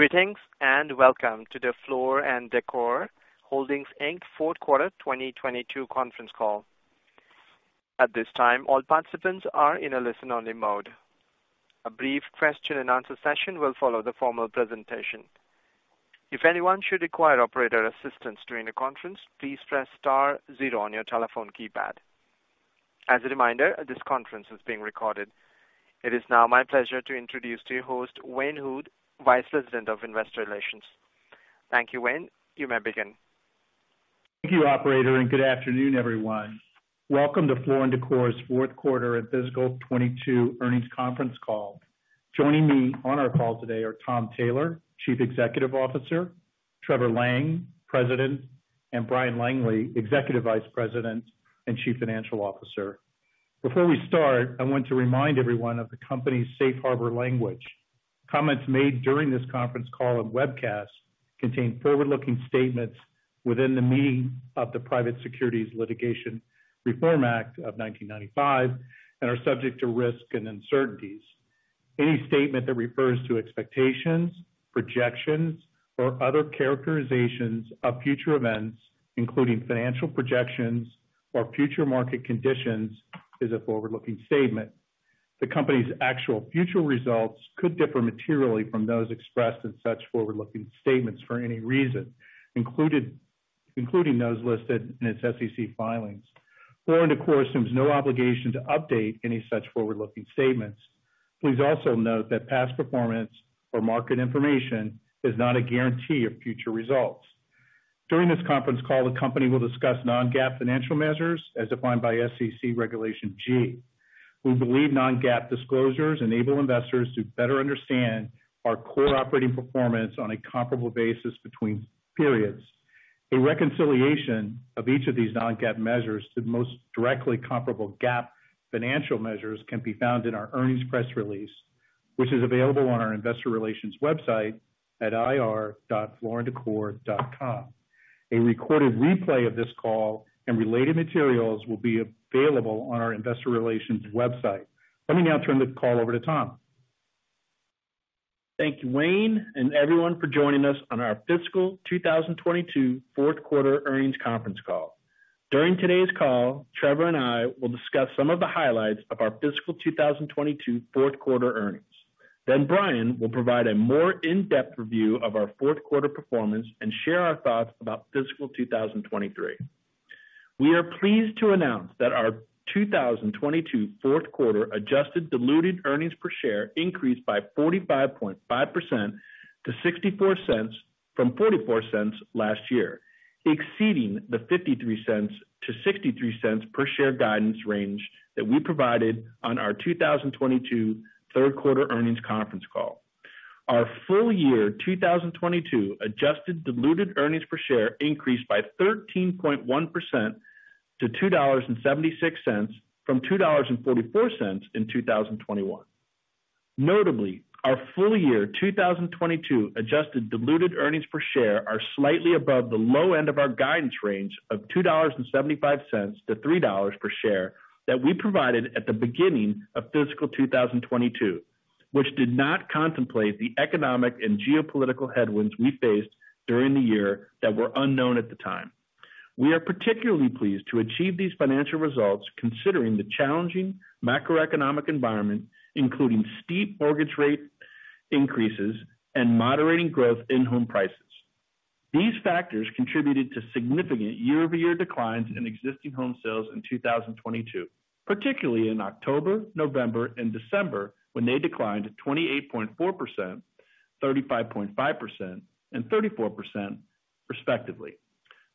Greetings, welcome to the Floor & Decor Holdings, Inc. fourth quarter 2022 conference call. At this time, all participants are in a listen-only mode. A brief question and answer session will follow the formal presentation. If anyone should require operator assistance during the conference, please press star zero on your telephone keypad. As a reminder, this conference is being recorded. It is now my pleasure to introduce to you host Wayne Hood, Vice President of Investor Relations. Thank you, Wayne. You may begin. Thank you, operator. Good afternoon, everyone. Welcome to Floor & Decor's fourth quarter at fiscal 2022 earnings conference call. Joining me on our call today are Tom Taylor, Chief Executive Officer, Trevor Lang, President, and Bryan Langley, Executive Vice President and Chief Financial Officer. Before we start, I want to remind everyone of the company's Safe Harbor language. Comments made during this conference call and webcast contain forward-looking statements within the meaning of the Private Securities Litigation Reform Act of 1995 and are subject to risk and uncertainties. Any statement that refers to expectations, projections, or other characterizations of future events, including financial projections or future market conditions, is a forward-looking statement. The Company's actual future results could differ materially from those expressed in such forward-looking statements for any reason, including those listed in its SEC filings. Floor & Decor assumes no obligation to update any such forward-looking statements. Please also note that past performance or market information is not a guarantee of future results. During this conference call, the company will discuss non-GAAP financial measures as defined by SEC Regulation G. We believe non-GAAP disclosures enable investors to better understand our core operating performance on a comparable basis between periods. A reconciliation of each of these non-GAAP measures to the most directly comparable GAAP financial measures can be found in our earnings press release, which is available on our investor relations website at ir.flooranddecor.com. A recorded replay of this call and related materials will be available on our investor relations website. Let me now turn the call over to Tom. Thank you, Wayne, and everyone for joining us on our fiscal 2022 fourth quarter earnings conference call. During today's call, Trevor and I will discuss some of the highlights of our fiscal 2022 fourth quarter earnings. Bryan will provide a more in-depth review of our fourth quarter performance and share our thoughts about fiscal 2023. We are pleased to announce that our 2022 fourth quarter adjusted diluted earnings per share increased by 45.5% to $0.64 from $0.44 last year, exceeding the $0.53-$0.63 per share guidance range that we provided on our 2022 third quarter earnings conference call. Our full year 2022 adjusted diluted earnings per share increased by 13.1% to $2.76 from $2.44 in 2021. Notably, our full year 2022 adjusted diluted earnings per share are slightly above the low end of our guidance range of $2.75-$3 per share that we provided at the beginning of fiscal 2022, which did not contemplate the economic and geopolitical headwinds we faced during the year that were unknown at the time. We are particularly pleased to achieve these financial results considering the challenging macroeconomic environment, including steep mortgage rate increases and moderating growth in home prices. These factors contributed to significant year-over-year declines in existing home sales in 2022, particularly in October, November, and December, when they declined to 28.4%, 35.5%, and 34% respectively.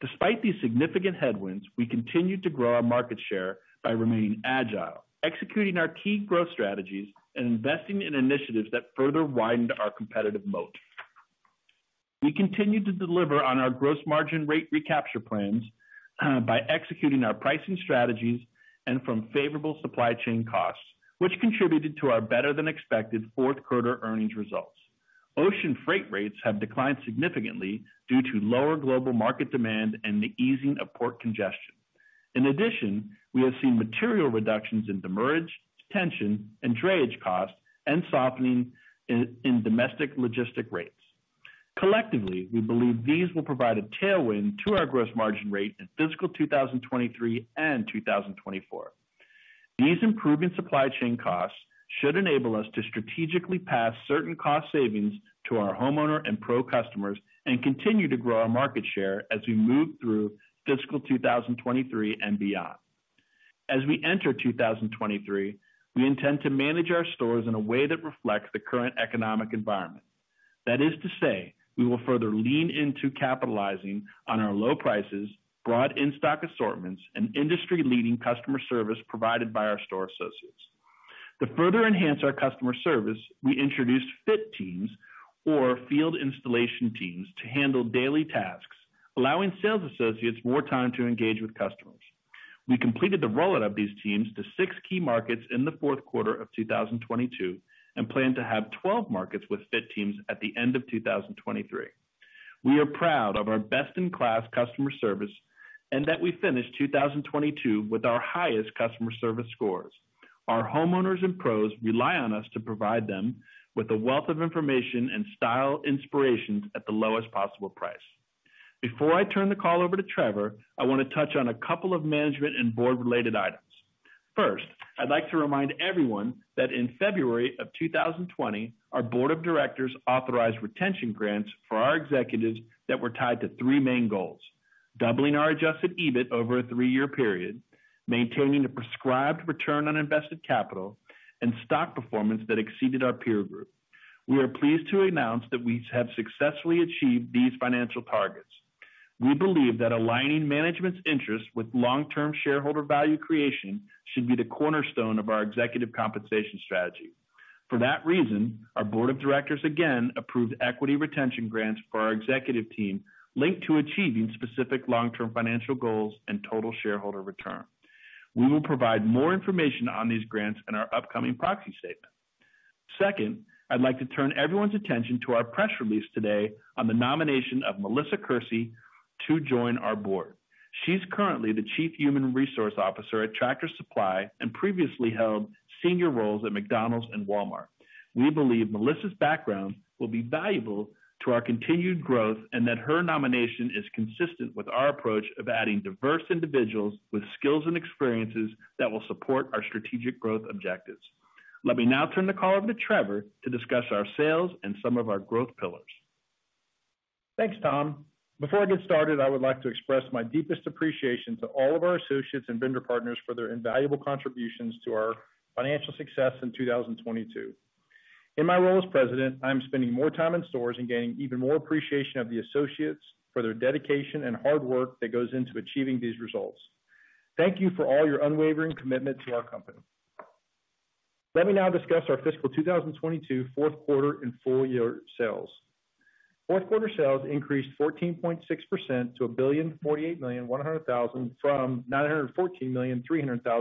Despite these significant headwinds, we continued to grow our market share by remaining agile, executing our key growth strategies, and investing in initiatives that further widened our competitive moat. We continued to deliver on our gross margin rate recapture plans by executing our pricing strategies and from favorable supply chain costs, which contributed to our better than expected fourth quarter earnings results. Ocean freight rates have declined significantly due to lower global market demand and the easing of port congestion. In addition, we have seen material reductions in demurrage, detention, and drayage costs and softening in domestic logistic rates. Collectively, we believe these will provide a tailwind to our gross margin rate in fiscal 2023 and 2024. These improvements supply chain costs should enable us to strategically pass certain cost savings to our homeowner and pro customers and continue to grow our market share as we move through fiscal 2023 and beyond. As we enter 2023, we intend to manage our stores in a way that reflects the current economic environment. That is to say, we will further lean into capitalizing on our low prices, broad in-stock assortments, and industry-leading customer service provided by our store associates. To further enhance our customer service, we introduced FIT teams or field installation teams to handle daily tasks, allowing sales associates more time to engage with customers. We completed the rollout of these teams to six key markets in the fourth quarter of 2022 and plan to have 12 markets with FIT teams at the end of 2023. We are proud of our best-in-class customer service and that we finished 2022 with our highest customer service scores. Our homeowners and pros rely on us to provide them with a wealth of information and style inspirations at the lowest possible price. Before I turn the call over to Trevor, I wanna touch on a couple of management and board related items. First, I'd like to remind everyone that in February of 2020, our Board of Directors authorized retention grants for our executives that were tied to three main goals: doubling our adjusted EBIT over a three-year period, maintaining the prescribed return on invested capital, and stock performance that exceeded our peer group. We are pleased to announce that we have successfully achieved these financial targets. We believe that aligning management's interests with long-term shareholder value creation should be the cornerstone of our executive compensation strategy. For that reason, our Board of Directors again approved equity retention grants for our executive team linked to achieving specific long-term financial goals and total shareholder return. We will provide more information on these grants in our upcoming proxy statement. Second, I'd like to turn everyone's attention to our press release today on the nomination of Melissa Kersey to join our Board. She's currently the chief human resource officer at Tractor Supply and previously held senior roles at McDonald's and Walmart. We believe Melissa's background will be valuable to our continued growth, and that her nomination is consistent with our approach of adding diverse individuals with skills and experiences that will support our strategic growth objectives. Let me now turn the call over to Trevor to discuss our sales and some of our growth pillars. Thanks, Tom. Before I get started, I would like to express my deepest appreciation to all of our associates and vendor partners for their invaluable contributions to our financial success in 2022. In my role as President, I am spending more time in stores and gaining even more appreciation of the associates for their dedication and hard work that goes into achieving these results. Thank you for all your unwavering commitment to our company. Let me now discuss our fiscal 2022 fourth quarter and full year sales. Fourth quarter sales increased 14.6% to $1.0481 billion from $914.3 million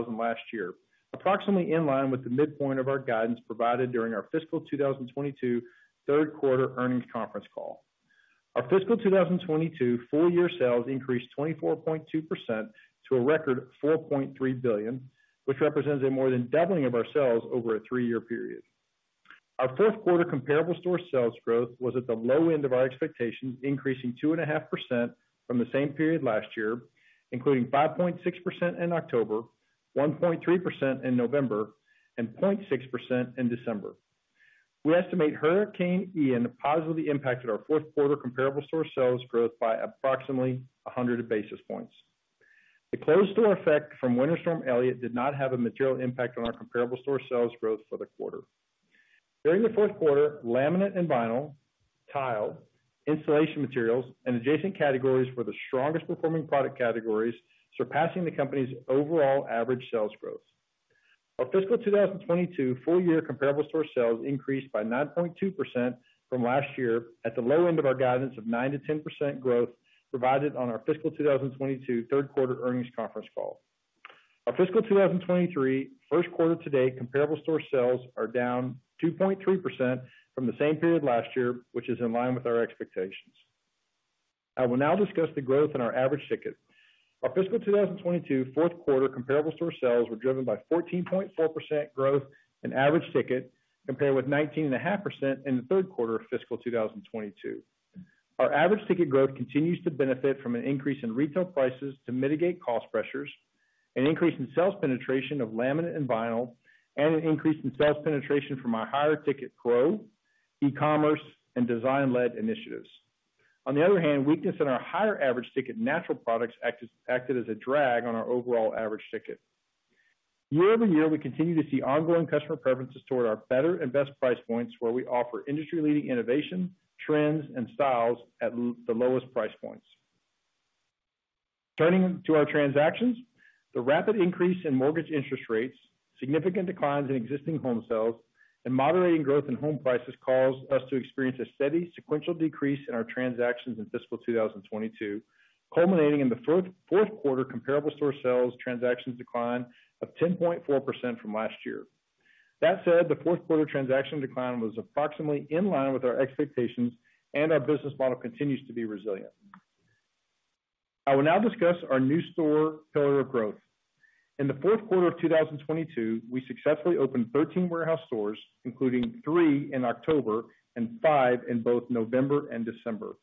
last year, approximately in line with the midpoint of our guidance provided during our fiscal 2022 third quarter earnings conference call. Our fiscal 2022 full year sales increased 24.2% to a record $4.3 billion, which represents a more than doubling of our sales over a three-year period. Our fourth quarter comparable store sales growth was at the low end of our expectations, increasing 2.5% from the same period last year, including 5.6% in October, 1.3% in November, and 0.6% in December. We estimate Hurricane Ian positively impacted our fourth quarter comparable store sales growth by approximately 100 basis points. The closed store effect from Winter Storm Elliott did not have a material impact on our comparable store sales growth for the quarter. During the fourth quarter, laminate and vinyl, tile, insulation materials and adjacent categories were the strongest performing product categories, surpassing the company's overall average sales growth. Our fiscal 2022 full year comparable store sales increased by 9.2% from last year at the low end of our guidance of 9%-10% growth provided on our fiscal 2022 third quarter earnings conference call. Our fiscal 2023 first quarter to date comparable store sales are down 2.3% from the same period last year, which is in line with our expectations. I will now discuss the growth in our average ticket. Our fiscal 2022 fourth quarter comparable store sales were driven by 14.4% growth in average ticket, compared with 19.5% In the third quarter of fiscal 2022. Our average ticket growth continues to benefit from an increase in retail prices to mitigate cost pressures, an increase in sales penetration of laminate and vinyl, and an increase in sales penetration from our higher ticket Pro, e-commerce, and design-led initiatives. On the other hand, weakness in our higher average ticket natural products acted as a drag on our overall average ticket. Year-over-year, we continue to see ongoing customer preferences toward our better and best price points, where we offer industry-leading innovation, trends, and styles at the lowest price points. Turning to our transactions, the rapid increase in mortgage interest rates, significant declines in existing home sales, and moderating growth in home prices caused us to experience a steady sequential decrease in our transactions in fiscal 2022, culminating in the fourth quarter comparable store sales transactions decline of 10.4% from last year. That said, the fourth quarter transaction decline was approximately in line with our expectations, and our business model continues to be resilient. I will now discuss our new store pillar of growth. In the fourth quarter of 2022, we successfully opened 13 warehouse stores, including three in October and five in both November and December.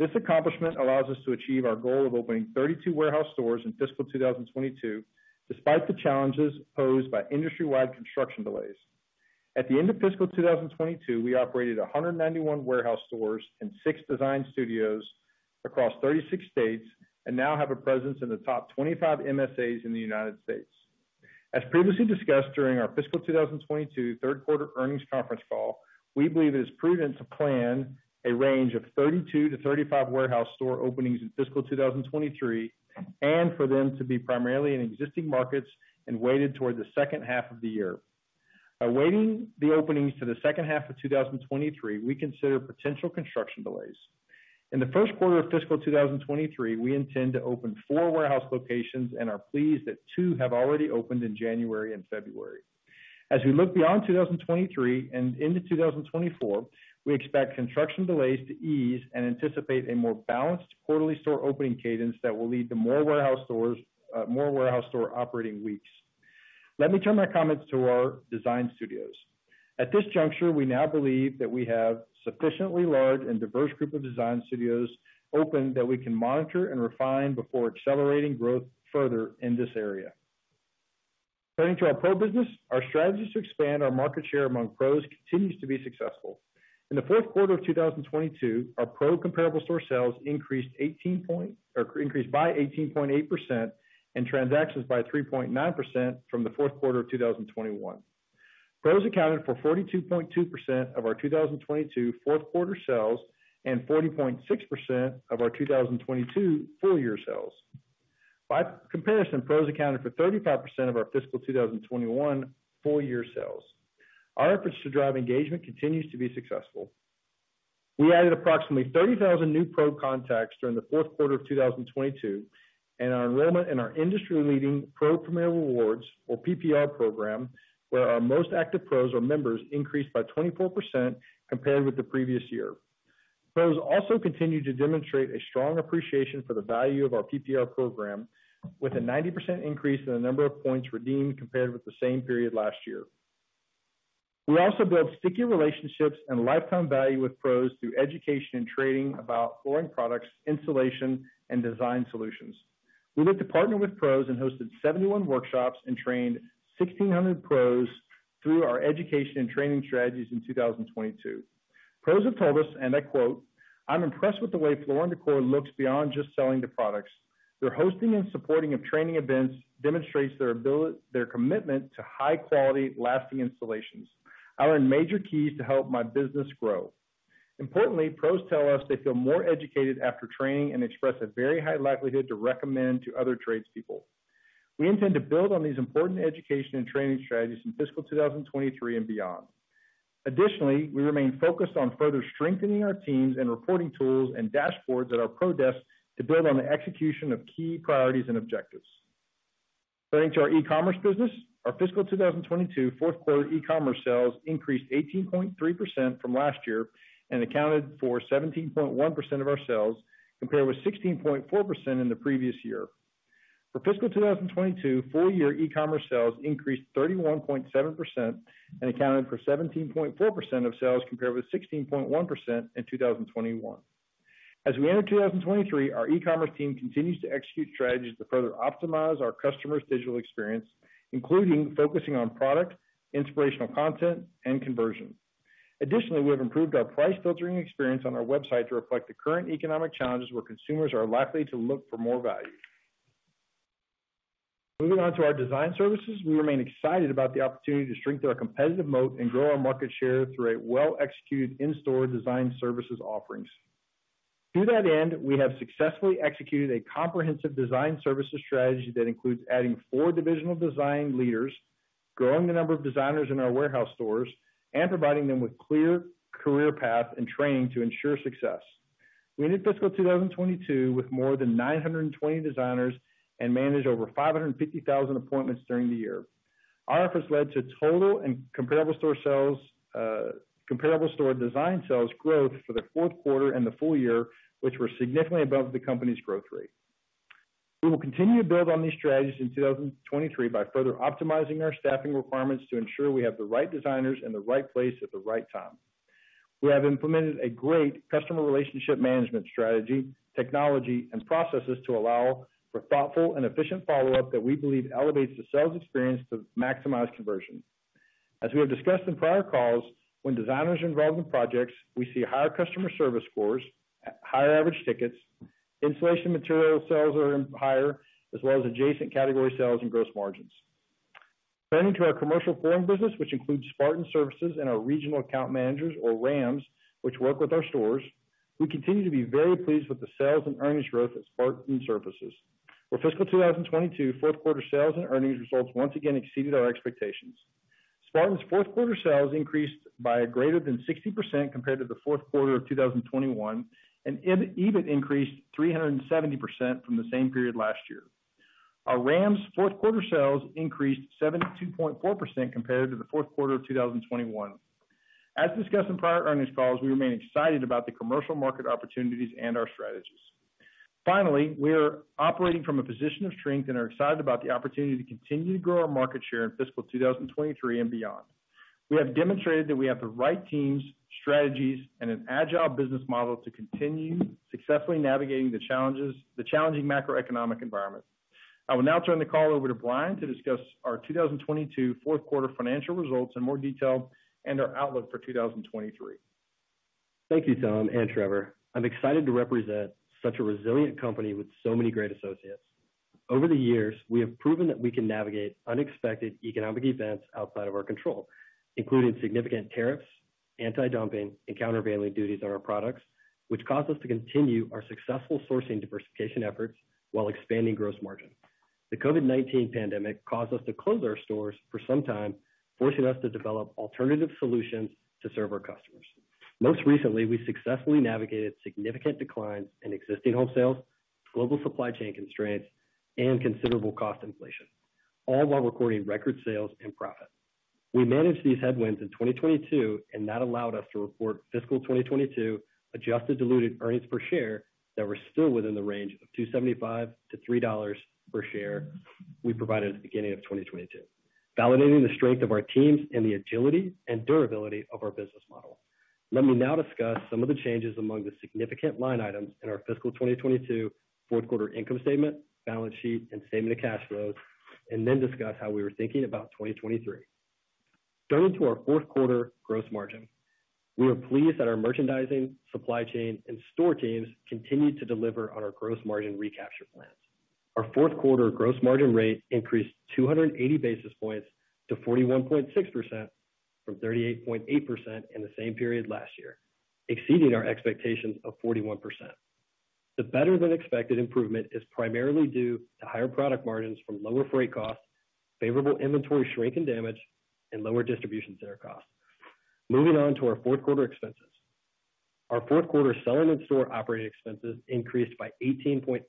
This accomplishment allows us to achieve our goal of opening 32 warehouse stores in fiscal 2022, despite the challenges posed by industry-wide construction delays. At the end of fiscal 2022, we operated 191 warehouse stores and six design studios across 36 states and now have a presence in the top 25 MSAs in the United States. As previously discussed during our fiscal 2022 third quarter earnings conference call, we believe it is prudent to plan a range of 32-35 warehouse store openings in fiscal 2023, and for them to be primarily in existing markets and weighted toward the second half of the year. Awaiting the openings to the second half of 2023, we consider potential construction delays. In the first quarter of fiscal 2023, we intend to open four warehouse locations and are pleased that two have already opened in January and February. As we look beyond 2023 and into 2024, we expect construction delays to ease and anticipate a more balanced quarterly store opening cadence that will lead to more warehouse stores, more warehouse store operating weeks. Let me turn my comments to our design studios. At this juncture, we now believe that we have sufficiently large and diverse group of design studios open that we can monitor and refine before accelerating growth further in this area. Turning to our Pro business, our strategies to expand our market share among pros continues to be successful. In the fourth quarter of 2022, our Pro comparable store sales increased 18.8% and transactions by 3.9% from the fourth quarter of 2021. Pros accounted for 42.2% of our 2022 fourth quarter sales and 40.6% of our 2022 full year sales. By comparison, pros accounted for 35% of our fiscal 2021 full year sales. Our efforts to drive engagement continues to be successful. We added approximately 30,000 new Pro contacts during the fourth quarter of 2022, and our enrollment in our industry leading Pro Premier Rewards or PPR program, where our most active pros or members increased by 24% compared with the previous year. Pros also continued to demonstrate a strong appreciation for the value of our PPR program with a 90% increase in the number of points redeemed compared with the same period last year. We also built sticky relationships and lifetime value with pros through education and training about flooring products, installation and design solutions. We looked to partner with pros and hosted 71 workshops and trained 1,600 pros through our education and training strategies in 2022. Pros have told us, and I quote, "I'm impressed with the way Floor & Decor looks beyond just selling the products. Their hosting and supporting of training events demonstrates their commitment to high quality, lasting installations, our major keys to help my business grow." Importantly, pros tell us they feel more educated after training and express a very high likelihood to recommend to other tradespeople. We intend to build on these important education and training strategies in fiscal 2023 and beyond. Additionally, we remain focused on further strengthening our teams and reporting tools and dashboards at our Pro desk to build on the execution of key priorities and objectives. Turning to our e-commerce business. Our fiscal 2022 fourth quarter e-commerce sales increased 18.3% from last year and accounted for 17.1% of our sales, compared with 16.4% in the previous year. For fiscal 2022, full year e-commerce sales increased 31.7% and accounted for 17.4% of sales, compared with 16.1% in 2021. As we enter 2023, our e-commerce team continues to execute strategies to further optimize our customers digital experience, including focusing on product, inspirational content and conversion. Additionally, we have improved our price filtering experience on our website to reflect the current economic challenges where consumers are likely to look for more value. Moving on to our design services, we remain excited about the opportunity to strengthen our competitive moat and grow our market share through a well-executed in-store design services offerings. To that end, we have successfully executed a comprehensive design services strategy that includes adding four divisional design leaders, growing the number of designers in our warehouse stores and providing them with clear career path and training to ensure success. We ended fiscal 2022 with more than 920 designers and managed over 550,000 appointments during the year. Our efforts led to total and comparable store sales, comparable store design sales growth for the fourth quarter and the full year, which were significantly above the company's growth rate. We will continue to build on these strategies in 2023 by further optimizing our staffing requirements to ensure we have the right designers in the right place at the right time. We have implemented a great customer relationship management strategy, technology and processes to allow for thoughtful and efficient follow up that we believe elevates the sales experience to maximize conversion. As we have discussed in prior calls, when designers are involved in projects, we see higher customer service scores, higher average tickets. Installation material sales are higher, as well as adjacent category sales and gross margins. Turning to our commercial flooring business, which includes Spartan Surfaces and our regional account managers or RAMs, which work with our stores. We continue to be very pleased with the sales and earnings growth at Spartan Surfaces. For fiscal 2022, fourth quarter sales and earnings results once again exceeded our expectations. Spartan's fourth quarter sales increased by greater than 60% compared to the fourth quarter of 2021, and EBIT increased 370% from the same period last year. Our RAM's fourth quarter sales increased 72.4% compared to the fourth quarter of 2021. As discussed in prior earnings calls, we remain excited about the commercial market opportunities and our strategies. We are operating from a position of strength and are excited about the opportunity to continue to grow our market share in fiscal 2023 and beyond. We have demonstrated that we have the right teams, strategies, and an agile business model to continue successfully navigating the challenging macroeconomic environment. I will now turn the call over to Bryan to discuss our 2022 fourth quarter financial results in more detail and our outlook for 2023. Thank you, Tom and Trevor. I'm excited to represent such a resilient company with so many great associates. Over the years, we have proven that we can navigate unexpected economic events outside of our control, including significant anti-dumping and countervailing duties on our products, which caused us to continue our successful sourcing diversification efforts while expanding gross margin. The COVID-19 pandemic caused us to close our stores for some time, forcing us to develop alternative solutions to serve our customers. Most recently, we successfully navigated significant declines in existing home sales, global supply chain constraints, and considerable cost inflation, all while recording record sales and profit. We managed these headwinds in 2022, and that allowed us to report fiscal 2022 adjusted diluted earnings per share that were still within the range of $2.75-$3.00 per share we provided at the beginning of 2022, validating the strength of our teams and the agility and durability of our business model. Let me now discuss some of the changes among the significant line items in our fiscal 2022 fourth quarter income statement, balance sheet and statement of cash flows, and then discuss how we were thinking about 2023. Turning to our fourth quarter gross margin. We were pleased that our merchandising, supply chain and store teams continued to deliver on our gross margin recapture plans. Our fourth quarter gross margin rate increased 280 basis points to 41.6% from 38.8% in the same period last year, exceeding our expectations of 41%. The better than expected improvement is primarily due to higher product margins from lower freight costs, favorable inventory shrink and damage, and lower distribution center costs. Moving on to our fourth quarter expenses. Our fourth quarter selling and store operating expenses increased by 18.8%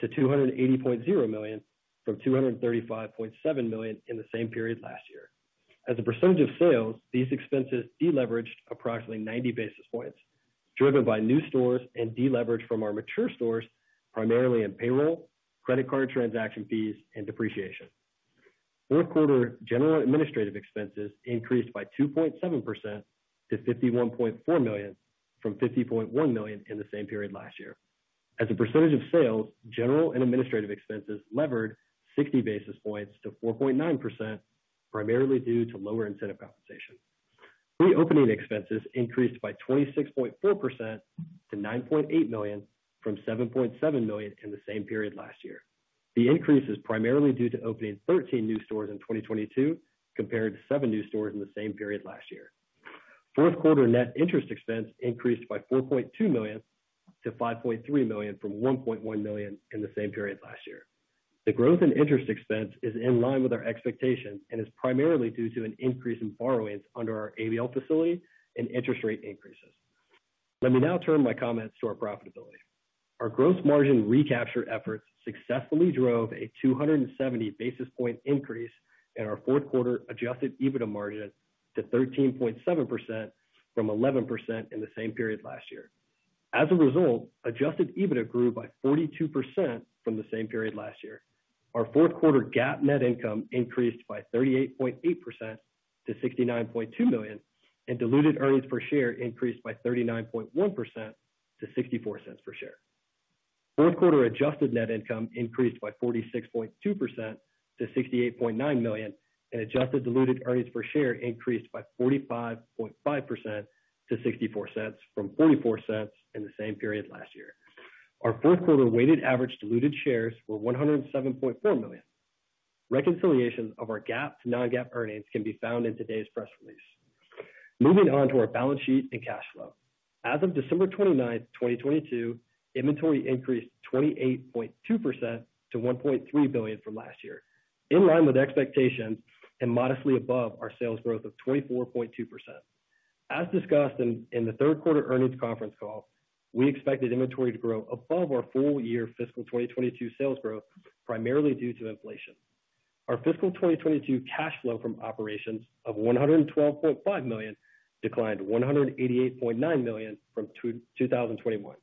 to $280.0 million, from $235.7 million in the same period last year. As a percentage of sales, these expenses deleveraged approximately 90 basis points, driven by new stores and deleverage from our mature stores, primarily in payroll, credit card transaction fees and depreciation. Fourth quarter general and administrative expenses increased by 2.7% to $51.4 million from $50.1 million in the same period last year. As a percentage of sales, general and administrative expenses levered 60 basis points to 4.9%, primarily due to lower incentive compensation. Reopening expenses increased by 26.4% to $9.8 million from $7.7 million in the same period last year. The increase is primarily due to opening 13 new stores in 2022, compared to seven new stores in the same period last year. Fourth quarter net interest expense increased by $4.2 million to $5.3 million from $1.1 million in the same period last year. The growth in interest expense is in line with our expectations and is primarily due to an increase in borrowings under our ABL facility and interest rate increases. Let me now turn my comments to our profitability. Our gross margin recapture efforts successfully drove a 270 basis point increase in our fourth quarter adjusted EBITDA margin to 13.7% from 11% in the same period last year. As a result, adjusted EBITDA grew by 42% from the same period last year. Our fourth quarter GAAP net income increased by 38.8% to $69.2 million, and diluted earnings per share increased by 39.1% to $0.64 per share. Fourth quarter adjusted net income increased by 46.2% to $68.9 million, and adjusted diluted earnings per share increased by 45.5% to $0.64 from $0.44 in the same period last year. Our fourth quarter weighted average diluted shares were 107.4 million. Reconciliation of our GAAP to non-GAAP earnings can be found in today's press release. Moving on to our balance sheet and cash flow. As of December 29th, 2022, inventory increased 28.2% to $1.3 billion from last year, in line with expectations and modestly above our sales growth of 24.2%. As discussed in the third quarter earnings conference call, we expected inventory to grow above our full year fiscal 2022 sales growth, primarily due to inflation. Our fiscal 2022 cash flow from operations of $112.5 million declined to $188.9 million from 2021,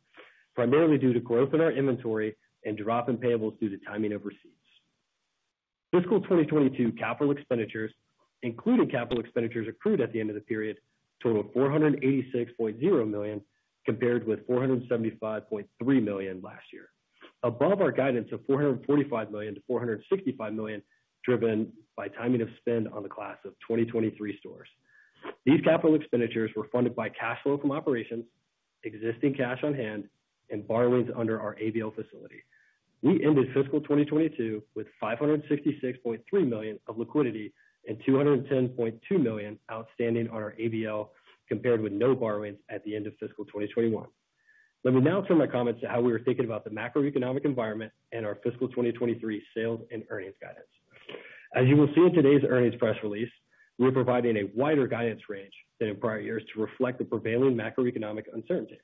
primarily due to growth in our inventory and drop in payables due to timing of receipts. Fiscal 2022 capital expenditures, including capital expenditures accrued at the end of the period, totaled $486.0 million, compared with $475.3 million last year, above our guidance of $445 million-$465 million, driven by timing of spend on the class of 2023 stores. These capital expenditures were funded by cash flow from operations, existing cash on hand, and borrowings under our ABL facility. We ended fiscal 2022 with $566.3 million of liquidity and $210.2 million outstanding on our ABL, compared with no borrowings at the end of fiscal 2021. Let me now turn my comments to how we were thinking about the macroeconomic environment and our fiscal 2023 sales and earnings guidance. As you will see in today's earnings press release, we're providing a wider guidance range than in prior years to reflect the prevailing macroeconomic uncertainty.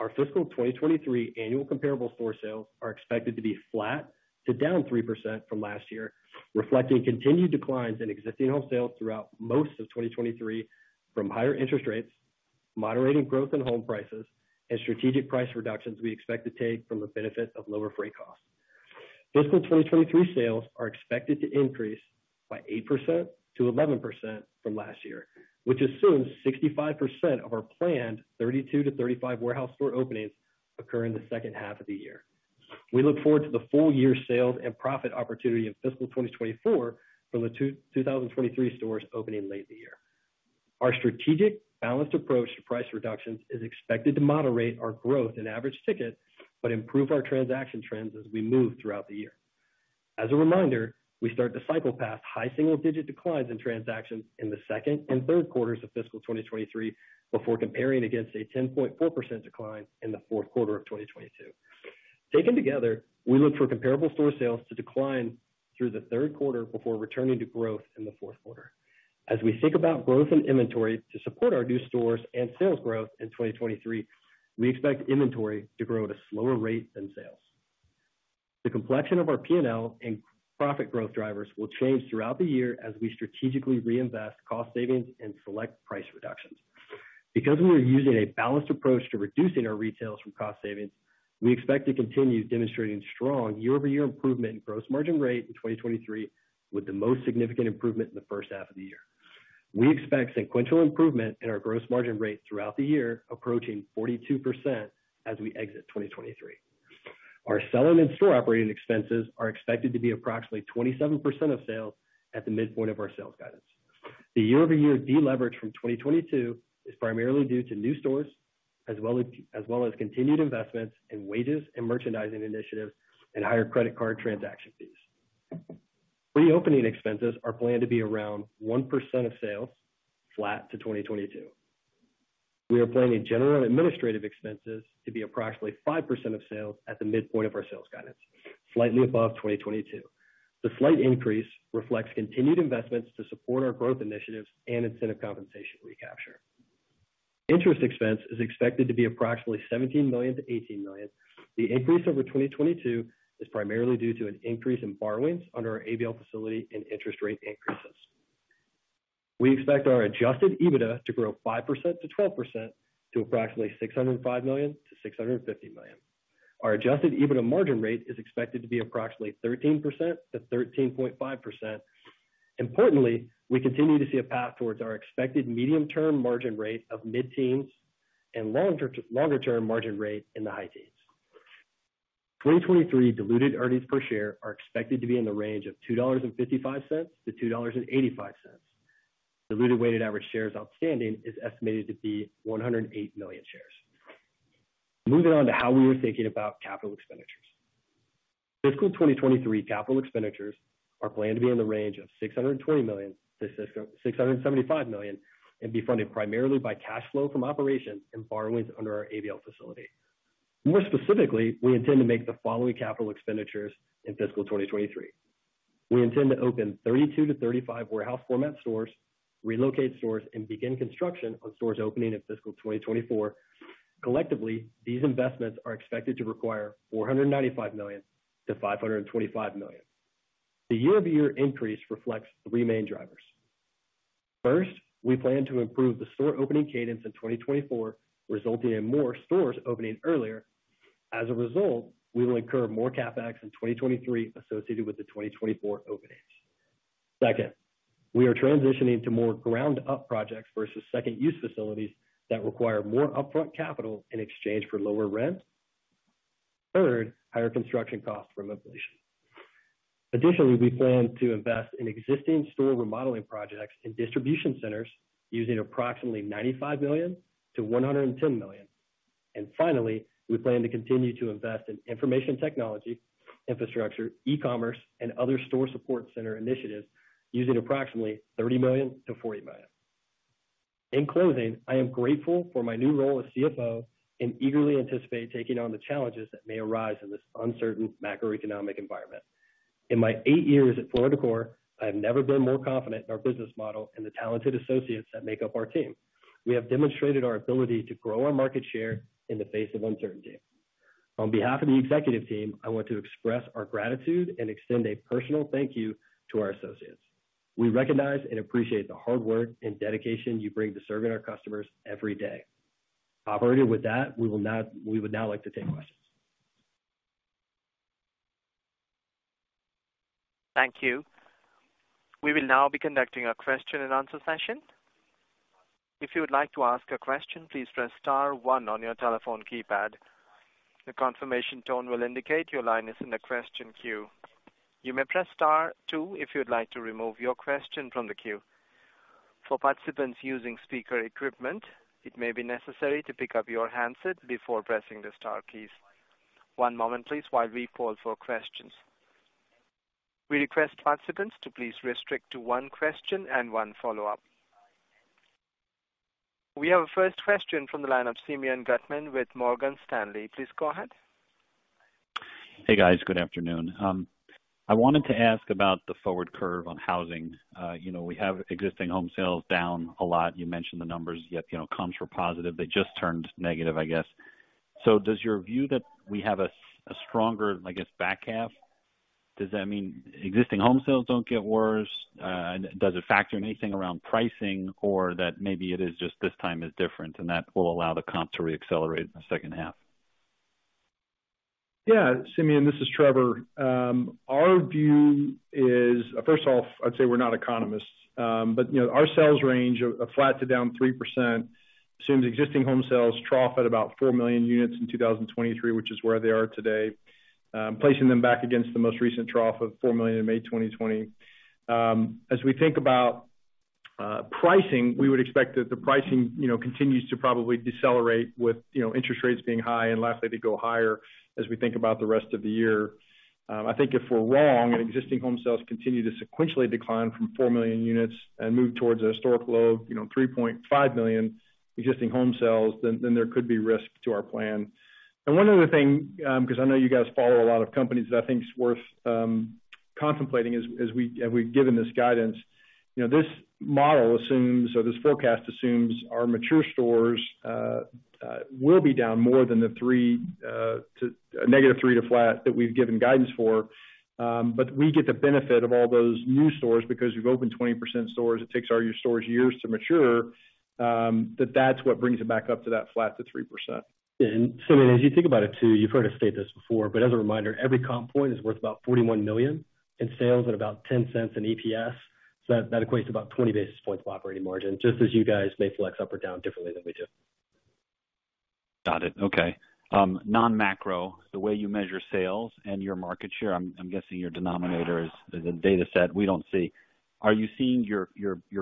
Our fiscal 2023 annual comparable store sales are expected to be flat to down 3% from last year, reflecting continued declines in existing home sales throughout most of 2023 from higher interest rates, moderating growth in home prices, and strategic price reductions we expect to take from the benefit of lower freight costs. Fiscal 2023 sales are expected to increase by 8%-11% from last year, which assumes 65% of our planned 32-35 warehouse store openings occur in the second half of the year. We look forward to the full year sales and profit opportunity in fiscal 2024 from the 2023 stores opening late in the year. Our strategic balanced approach to price reductions is expected to moderate our growth in average ticket, but improve our transaction trends as we move throughout the year. As a reminder, we start to cycle past high single-digit declines in transactions in the second and third quarters of fiscal 2023 before comparing against a 10.4% decline in the fourth quarter of 2022. Taken together, we look for comparable store sales to decline through the third quarter before returning to growth in the fourth quarter. As we think about growth in inventory to support our new stores and sales growth in 2023, we expect inventory to grow at a slower rate than sales. The complexion of our P&L and profit growth drivers will change throughout the year as we strategically reinvest cost savings and select price reductions. Because we are using a balanced approach to reducing our retails from cost savings, we expect to continue demonstrating strong year-over-year improvement in gross margin rate in 2023, with the most significant improvement in the first half of the year. We expect sequential improvement in our gross margin rate throughout the year, approaching 42% as we exit 2023. Our seller and store operating expenses are expected to be approximately 27% of sales at the midpoint of our sales guidance. The year-over-year deleverage from 2022 is primarily due to new stores as well as continued investments in wages and merchandising initiatives and higher credit card transaction fees. Reopening expenses are planned to be around 1% of sales, flat to 2022. We are planning general and administrative expenses to be approximately 5% of sales at the midpoint of our sales guidance, slightly above 2022. The slight increase reflects continued investments to support our growth initiatives and incentive compensation recapture. Interest expense is expected to be approximately $17 million-$18 million. The increase over 2022 is primarily due to an increase in borrowings under our ABL facility and interest rate increases. We expect our adjusted EBITDA to grow 5%-12% to approximately $605 million-$650 million. Our adjusted EBITDA margin rate is expected to be approximately 13%-13.5%. Importantly, we continue to see a path towards our expected medium-term margin rate of mid-teens and longer term margin rate in the high teens. 2023 diluted earnings per share are expected to be in the range of $2.55-$2.85. Diluted weighted average shares outstanding is estimated to be 108 million shares. Moving on to how we were thinking about capital expenditures. Fiscal 2023 capital expenditures are planned to be in the range of $620 million-$675 million and be funded primarily by cash flow from operations and borrowings under our ABL facility. More specifically, we intend to make the following capital expenditures in fiscal 2023. We intend to open 32-35 warehouse format stores, relocate stores, and begin construction on stores opening in fiscal 2024. Collectively, these investments are expected to require $495 million-$525 million. The year-over-year increase reflects three main drivers. First, we plan to improve the store opening cadence in 2024, resulting in more stores opening earlier. As a result, we will incur more CapEx in 2023 associated with the 2024 openings. Second, we are transitioning to more ground up projects versus second use facilities that require more upfront capital in exchange for lower rent. Third, higher construction costs from inflation. Additionally, we plan to invest in existing store remodeling projects and distribution centers using approximately $95 million-$110 million. Finally, we plan to continue to invest in information technology, infrastructure, e-commerce, and other store support center initiatives using approximately $30 million-$40 million. In closing, I am grateful for my new role as CFO and eagerly anticipate taking on the challenges that may arise in this uncertain macroeconomic environment. In my eight years at Floor & Decor, I have never been more confident in our business model and the talented associates that make up our team. We have demonstrated our ability to grow our market share in the face of uncertainty. On behalf of the executive team, I want to express our gratitude and extend a personal thank you to our associates. We recognize and appreciate the hard work and dedication you bring to serving our customers every day. Operator, with that, we would now like to take questions. Thank you. We will now be conducting a question and answer session. If you would like to ask a question, please press star one on your telephone keypad. The confirmation tone will indicate your line is in the question queue. You may press star two if you'd like to remove your question from the queue. For participants using speaker equipment, it may be necessary to pick up your handset before pressing the star keys. One moment please while we call for questions. We request participants to please restrict to one question and one follow-up. We have a first question from the line of Simeon Gutman with Morgan Stanley. Please go ahead. Hey, guys. Good afternoon. I wanted to ask about the forward curve on housing. You know, we have existing home sales down a lot. You mentioned the numbers, yet, you know, comps were positive. They just turned negative, I guess. Does your view that we have a stronger, I guess, back half, does that mean existing home sales don't get worse? Does it factor anything around pricing or that maybe it is just this time is different and that will allow the comp to reaccelerate in the second half? Yeah, Simeon, this is Trevor. Our view is, first of all, I'd say we're not economists, but, you know, our sales range of flat to down 3% assumes existing home sales trough at about 4 million units in 2023, which is where they are today, placing them back against the most recent trough of 4 million in May 2020. As we think about pricing, we would expect that the pricing, you know, continues to probably decelerate with, you know, interest rates being high and likely to go higher as we think about the rest of the year. I think if we're wrong and existing home sales continue to sequentially decline from 4 million units and move towards a historic low, you know, 3.5 million existing home sales, then there could be risk to our plan. One other thing, 'cause I know you guys follow a lot of companies that I think is worth contemplating as we've given this guidance. You know, this model assumes or this forecast assumes our mature stores will be down more than the 3%, -3% to flat that we've given guidance for. We get the benefit of all those new stores because we've opened 20% stores. It takes our new stores years to mature, that's what brings it back up to that flat to 3%. I mean, as you think about it too, you've heard us state this before. As a reminder, every comp point is worth about $41 million in sales at about $0.10 in EPS. That equates about 20 basis points of operating margin, just as you guys may flex up or down differently than we do. Got it. Okay. non-macro, the way you measure sales and your market share, I'm guessing your denominator is the dataset we don't see. Are you seeing your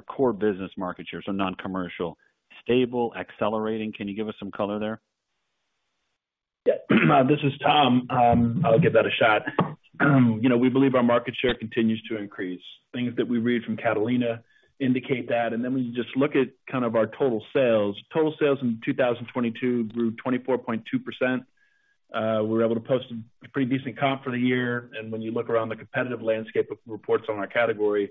core business market share, so non-commercial, stable, accelerating? Can you give us some color there? Yeah. This is Tom. I'll give that a shot. You know, we believe our market share continues to increase. Things that we read from Catalina indicate that. When you just look at kind of our total sales. Total sales in 2022 grew 24.2%. We were able to post a pretty decent comp for the year. When you look around the competitive landscape of reports on our category,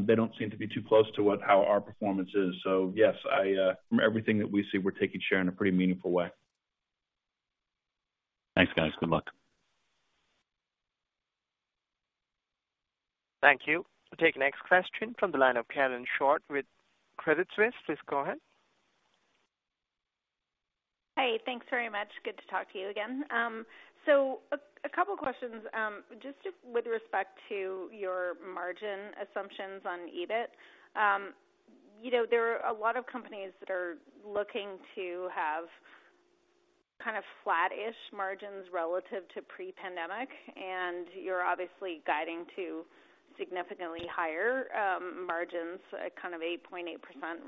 they don't seem to be too close to what, how our performance is. Yes, I, from everything that we see, we're taking share in a pretty meaningful way. Thanks, guys. Good luck. Thank you. We'll take next question from the line of Karen Short with Credit Suisse. Please go ahead. Hey, thanks very much. Good to talk to you again. A couple questions just with respect to your margin assumptions on EBIT. You know, there are a lot of companies that are looking to have kind of flat-ish margins relative to pre-pandemic, and you're obviously guiding to significantly higher margins at kind of 8.8%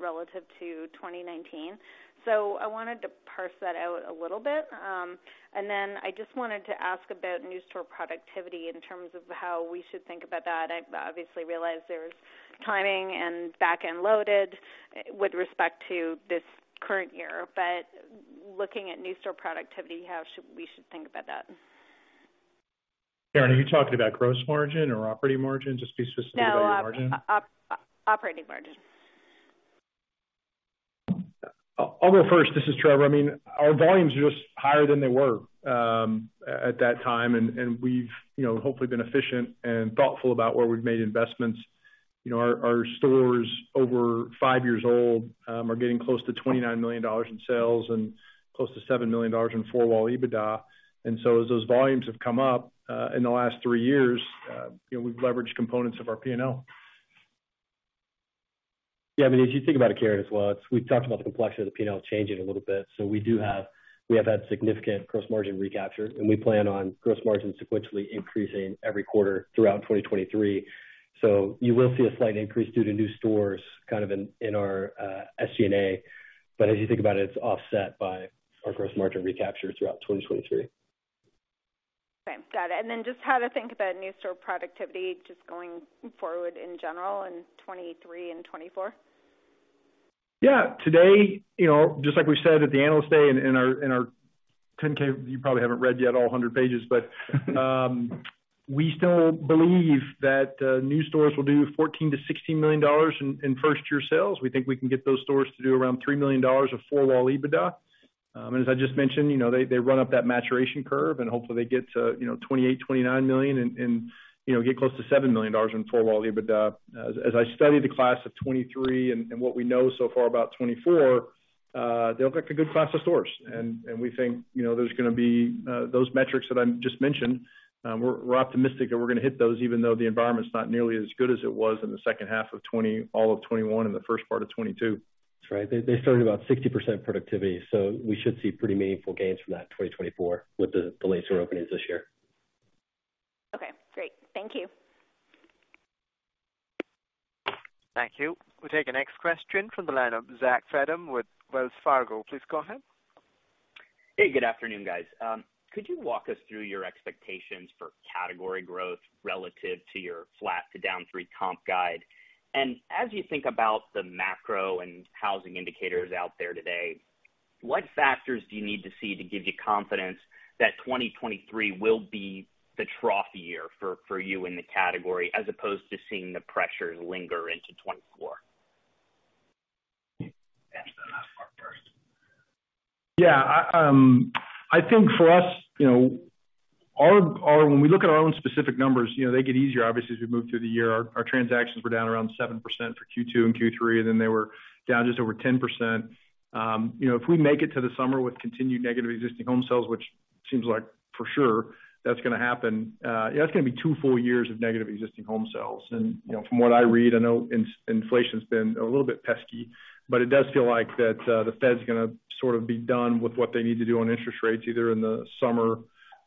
relative to 2019. I wanted to parse that out a little bit. I just wanted to ask about new store productivity in terms of how we should think about that. I obviously realize there's timing and back-end loaded with respect to this current year, but looking at new store productivity, how should we think about that? Karen, are you talking about gross margin or operating margin? Just be specific about your margin. No. Operating margin. I'll go first. This is Trevor. I mean, our volumes are just higher than they were at that time, and we've, you know, hopefully been efficient and thoughtful about where we've made investments. You know, our stores over five years old are getting close to $29 million in sales and close to $7 million in four-wall EBITDA. As those volumes have come up in the last three years, you know, we've leveraged components of our P&L. Yeah, I mean, as you think about it, Karen, as well, we've talked about the complexity of the P&L changing a little bit. We have had significant gross margin recapture, and we plan on gross margin sequentially increasing every quarter throughout 2023. You will see a slight increase due to new stores kind of in our SG&A. As you think about it's offset by our gross margin recapture throughout 2023. Okay. Got it. Then just how to think about new store productivity just going forward in general in 2023 and 2024? Today, you know, just like we said at the Analyst Day in our Form 10-K, you probably haven't read yet all 100 pages, we still believe that new stores will do $14 million-$16 million in first-year sales. We think we can get those stores to do around $3 million of four-wall EBITDA. As I just mentioned, you know, they run up that maturation curve and hopefully they get to, you know, $28 million-$29 million and, you know, get close to $7 million in four-wall EBITDA. As I study the class of 2023 and what we know so far about 2024, they look like a good class of stores. We think, you know, there's gonna be those metrics that I just mentioned, we're optimistic that we're gonna hit those even though the environment's not nearly as good as it was in the second half of 2020, all of 2021 and the first part of 2022. That's right. They started about 60% productivity. We should see pretty meaningful gains from that in 2024 with the later openings this year. Okay, great. Thank you. Thank you. We'll take the next question from the line of Zach Fadem with Wells Fargo. Please go ahead. Hey, good afternoon, guys. Could you walk us through your expectations for category growth relative to your flat to down three comp guide? As you think about the macro and housing indicators out there today, what factors do you need to see to give you confidence that 2023 will be the trough year for you in the category as opposed to seeing the pressures linger into 2024? I think for us, you know, when we look at our own specific numbers, you know, they get easier obviously, as we move through the year. Our transactions were down around 7% for Q2 and Q3, and then they were down just over 10%. You know, if we make it to the summer with continued negative existing home sales, which seems like for sure that's gonna happen. That's gonna be two full years of negative existing home sales. You know, from what I read, I know inflation's been a little bit pesky, but it does feel like that the Fed's gonna sort of be done with what they need to do on interest rates, either in the summer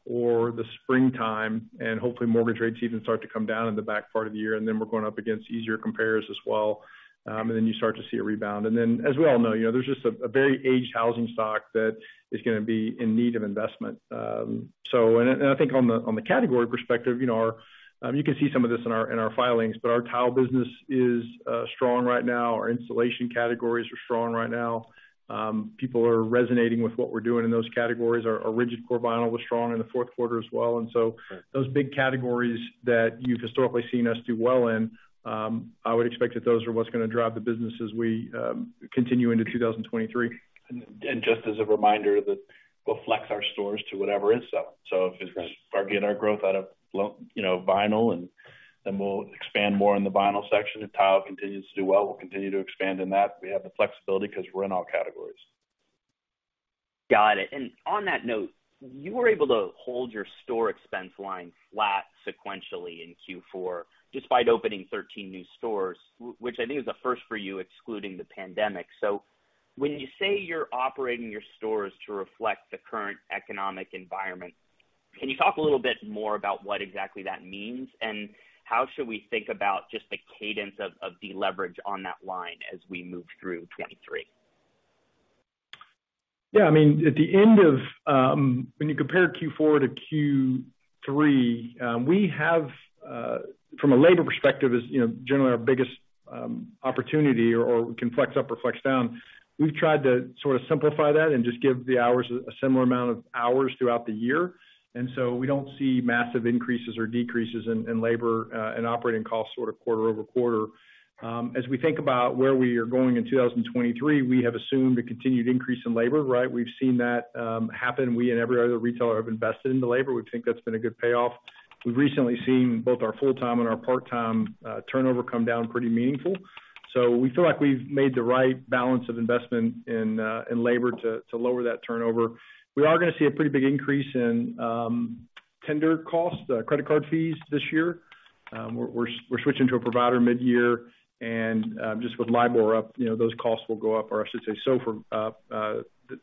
or the springtime, and hopefully mortgage rates even start to come down in the back part of the year, and then we're going up against easier compares as well. Then you start to see a rebound. Then, as we all know, you know, there's just a very aged housing stock that is gonna be in need of investment. I think on the category perspective, you know, our, you can see some of this in our, in our filings, but our tile business is strong right now. Our installation categories are strong right now. People are resonating with what we're doing in those categories. Our rigid core vinyl was strong in the fourth quarter as well. Right those big categories that you've historically seen us do well in, I would expect that those are what's gonna drive the business as we continue into 2023. Just as a reminder that we'll flex our stores to whatever is so. Right if our gain on our growth out of you know, vinyl, and then we'll expand more in the vinyl section. If tile continues to do well, we'll continue to expand in that. We have the flexibility 'cause we're in all categories. Got it. On that note, you were able to hold your store expense line flat sequentially in Q4, despite opening 13 new stores, which I think is a first for you, excluding the pandemic. When you say you're operating your stores to reflect the current economic environment, can you talk a little bit more about what exactly that means? How should we think about just the cadence of the leverage on that line as we move through 2023? Yeah. I mean, at the end of. When you compare Q4 to Q3, we have, from a labor perspective is, you know, generally our biggest opportunity or we can flex up or flex down. We've tried to sort of simplify that and just give the hours a similar amount of hours throughout the year. We don't see massive increases or decreases in labor, and operating costs sort of quarter-over-quarter. As we think about where we are going in 2023, we have assumed a continued increase in labor, right? We've seen that happen. We and every other retailer have invested in the labor. We think that's been a good payoff. We've recently seen both our full-time and our part-time turnover come down pretty meaningful. We feel like we've made the right balance of investment in labor to lower that turnover. We are going to see a pretty big increase in tender costs, credit card fees this year. We're switching to a provider midyear, and just with LIBOR up, you know, those costs will go up, or I should say SOFR up,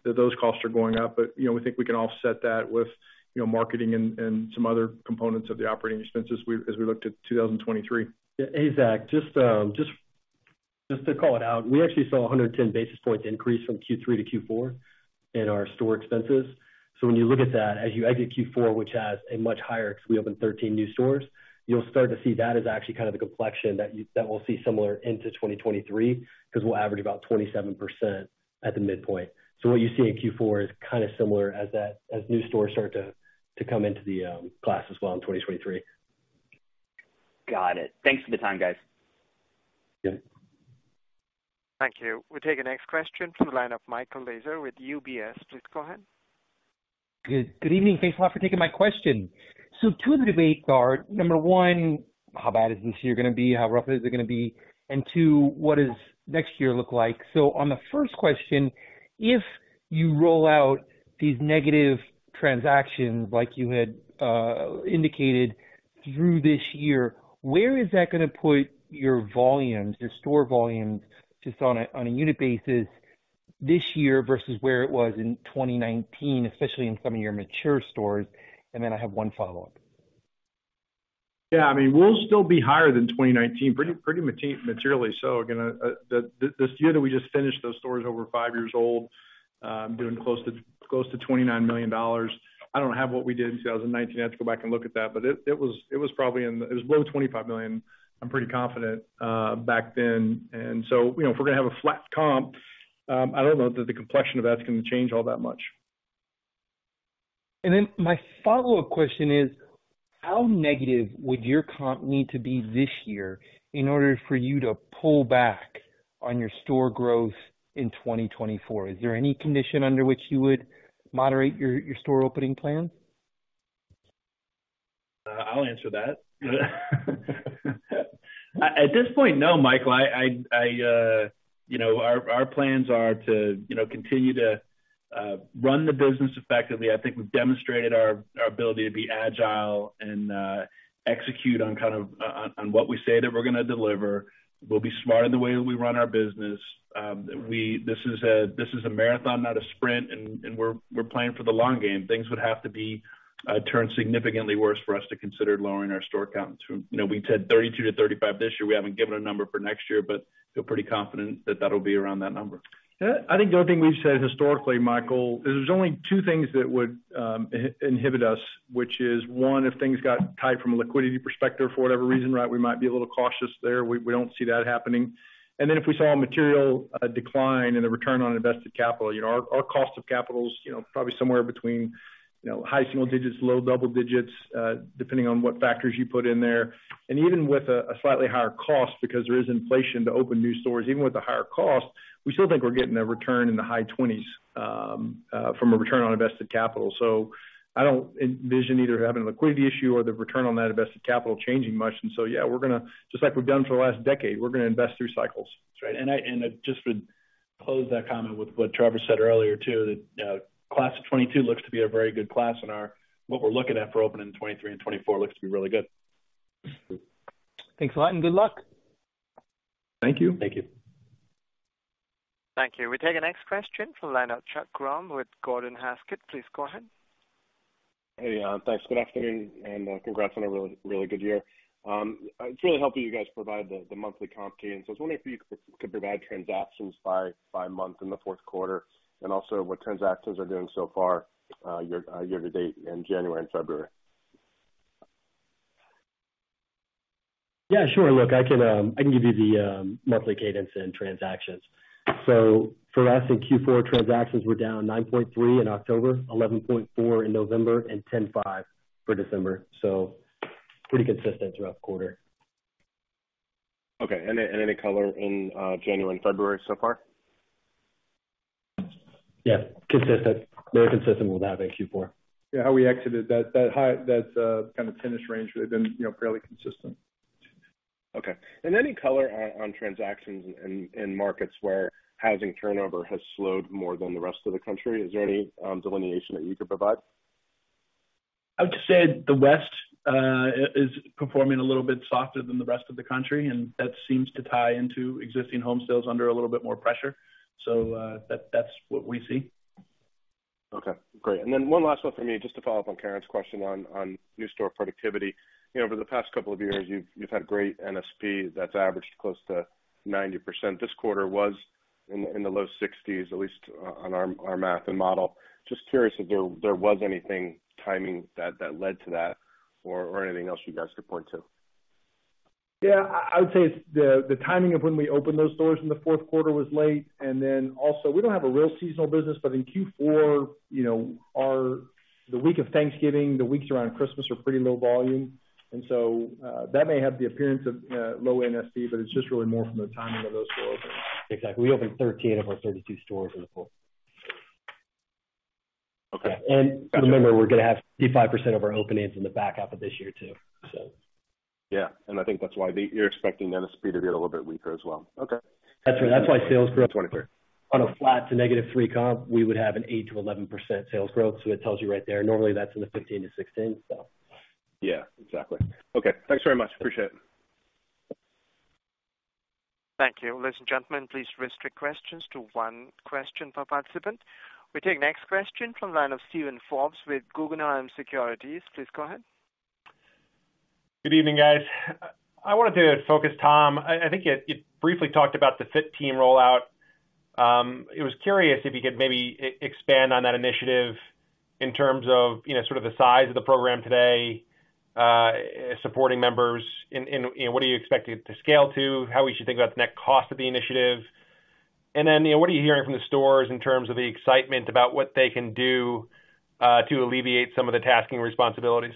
those costs are going up. You know, we think we can offset that with, you know, marketing and some other components of the operating expenses as we look to 2023. Hey, Zach, just to call it out, we actually saw 110 basis points increase from Q3 to Q4 in our store expenses. When you look at that, as you exit Q4, which has a much higher, 'cause we opened 13 new stores, you'll start to see that as actually kind of the complexion that we'll see similar into 2023, 'cause we'll average about 27% at the midpoint. What you see in Q4 is kind of similar as new stores start to come into the class as well in 2023. Got it. Thanks for the time, guys. Yeah. Thank you. We'll take the next question from the line of Michael Lasser with UBS. Please go ahead. Good evening. Thanks a lot for taking my question. Two of the debates are, number one, how bad is this year gonna be? How rough is it gonna be? Two, what does next year look like? On the first question, if you roll out these negative transactions like you had indicated through this year, where is that gonna put your volumes, your store volumes, just on a unit basis this year versus where it was in 2019, especially in some of your mature stores? Then I have one follow-up. Yeah. I mean, we'll still be higher than 2019 pretty materially so. Again, this year that we just finished, those stores are over five years old, doing close to $29 million. I don't have what we did in 2019. I'd have to go back and look at that. It was probably in the. It was below $25 million, I'm pretty confident back then. you know, if we're gonna have a flat comp, I don't know that the complexion of that's gonna change all that much. My follow-up question is: How negative would your comp need to be this year in order for you to pull back on your store growth in 2024? Is there any condition under which you would moderate your store opening plans? I'll answer that. At this point, no, Michael. I, you know, our plans are to, you know, continue to run the business effectively. I think we've demonstrated our ability to be agile and execute on kind of what we say that we're gonna deliver. We'll be smart in the way we run our business. This is a marathon, not a sprint, and we're playing for the long game. Things would have to be turn significantly worse for us to consider lowering our store count. You know, we said 32-35 this year. We haven't given a number for next year. Feel pretty confident that that'll be around that number. Yeah. I think the only thing we've said historically, Michael, is there's only two things that would inhibit us, which is, one, if things got tight from a liquidity perspective for whatever reason, right? We might be a little cautious there. We don't see that happening. If we saw a material decline in the return on invested capital. You know, our cost of capital is, you know, probably somewhere between, you know, high single digits, low double digits, depending on what factors you put in there. Even with a slightly higher cost, because there is inflation to open new stores, even with the higher cost, we still think we're getting a return in the high 20s from a return on invested capital. I don't envision either having a liquidity issue or the return on that invested capital changing much. Yeah, we're gonna, just like we've done for the last decade, we're gonna invest through cycles. That's right. Just for close that comment with what Trevor said earlier too, that, class of 2022 looks to be a very good class and what we're looking at for opening in 2023 and 2024 looks to be really good. Thanks a lot and good luck. Thank you. Thank you. Thank you. We take the next question from the line of Chuck Grom with Gordon Haskett. Please go ahead. Thanks. Good afternoon and congrats on a really good year. It's really helpful you guys provide the monthly comp cadence. I was wondering if you could provide transactions by month in the fourth quarter and also what transactions are doing so far year to date in January and February. Yeah, sure. Look, I can give you the monthly cadence and transactions. For us, in Q4, transactions were down 9.3% in October, 11.4% in November and 10.5% for December. Pretty consistent throughout the quarter. Okay. Any, and any color in January and February so far? Yeah. Consistent. Very consistent with how they Q4. Yeah. How we exited that high, that kind of 10-ish range they've been, you know, fairly consistent. Okay. Any color on transactions in markets where housing turnover has slowed more than the rest of the country. Is there any delineation that you could provide? I would just say the West is performing a little bit softer than the rest of the country, and that seems to tie into existing home sales under a little bit more pressure. That's what we see. Okay, great. One last one for me, just to follow up on Karen's question on new store productivity. You know, over the past couple of years, you've had great NSP that's averaged close to 90%. This quarter was in the low 60s% at least on our math and model. Just curious if there was anything timing that led to that or anything else you guys could point to? Yeah, I would say it's the timing of when we opened those stores in the fourth quarter was late. Also we don't have a real seasonal business, but in Q4, you know, our the week of Thanksgiving, the weeks around Christmas are pretty low volume. So that may have the appearance of low NSP, but it's just really more from the timing of those store openings. Exactly. We opened 13 of our 32 stores in the fourth. Okay. Remember, we're going to have 35% of our openings in the back half of this year too. Yeah. I think that's why you're expecting NSP to be a little bit weaker as well. Okay. That's right. That's why sales growth. 23%. On a flat to -3% comp, we would have an 8%-11% sales growth. It tells you right there. Normally that's in the 15%-16%, so. Yeah, exactly. Okay, thanks very much. Appreciate it. Thank you. Ladies and gentlemen, please restrict questions to one question per participant. We take next question from the line of Steven Forbes with Guggenheim Securities. Please go ahead. Good evening, guys. I wanted to focus, Tom, I think you briefly talked about the FIT team rollout. I was curious if you could maybe expand on that initiative in terms of, you know, sort of the size of the program today, supporting members and what are you expecting it to scale to, how we should think about the net cost of the initiative? Then, you know, what are you hearing from the stores in terms of the excitement about what they can do to alleviate some of the tasking responsibilities?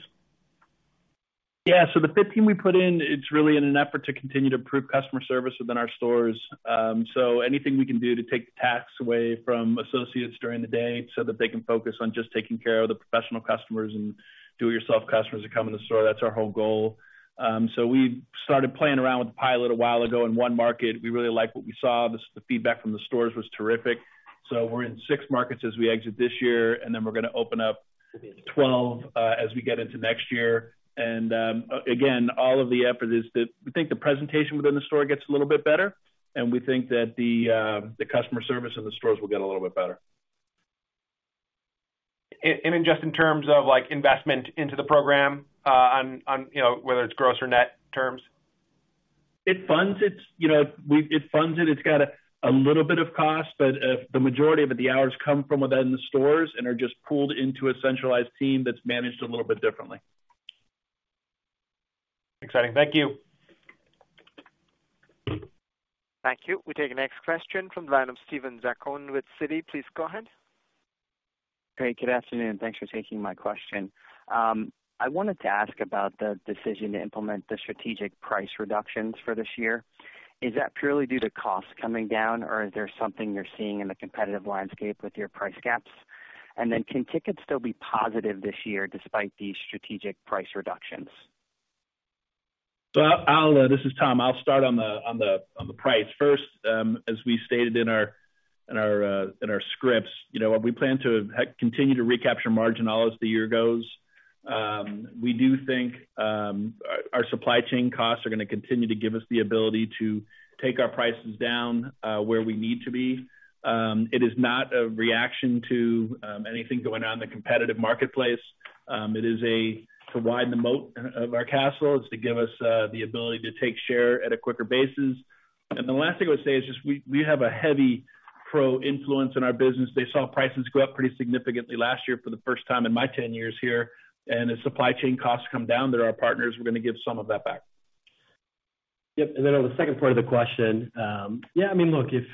The FIT team we put in, it's really in an effort to continue to improve customer service within our stores. Anything we can do to take the tasks away from associates during the day so that they can focus on just taking care of the professional customers and DIY customers that come in the store, that's our whole goal. We started playing around with the pilot a while ago in one market. We really liked what we saw. The feedback from the stores was terrific. We're in six markets as we exit this year, we're gonna open up 12 as we get into next year. And again, all of the effort is to think the presentation within the store gets a little bit better, and we think that the customer service in the stores will get a little bit better. Just in terms of like investment into the program, on, you know, whether it's gross or net terms? You know, it funds it. It's got a little bit of cost, but the majority of it, the hours come from within the stores and are just pooled into a centralized team that's managed a little bit differently. Exciting. Thank you. Thank you. We take the next question from the line of Steven Zaccone with Citi. Please go ahead. Hey, good afternoon. Thanks for taking my question. I wanted to ask about the decision to implement the strategic price reductions for this year. Is that purely due to costs coming down, or is there something you're seeing in the competitive landscape with your price gaps? Then can tickets still be positive this year despite these strategic price reductions? This is Tom, I'll start on the price first. As we stated in our scripts, you know, we plan to continue to recapture margin all as the year goes. We do think our supply chain costs are gonna continue to give us the ability to take our prices down where we need to be. It is not a reaction to anything going on in the competitive marketplace. It is to widen the moat of our castle. It's to give us the ability to take share at a quicker basis. The last thing I would say is just we have a heavy Pro influence in our business. They saw prices go up pretty significantly last year for the first time in my 10 years here, and as supply chain costs come down, they're our partners, we're gonna give some of that back. Yep. On the second part of the question, yeah, I mean, look, if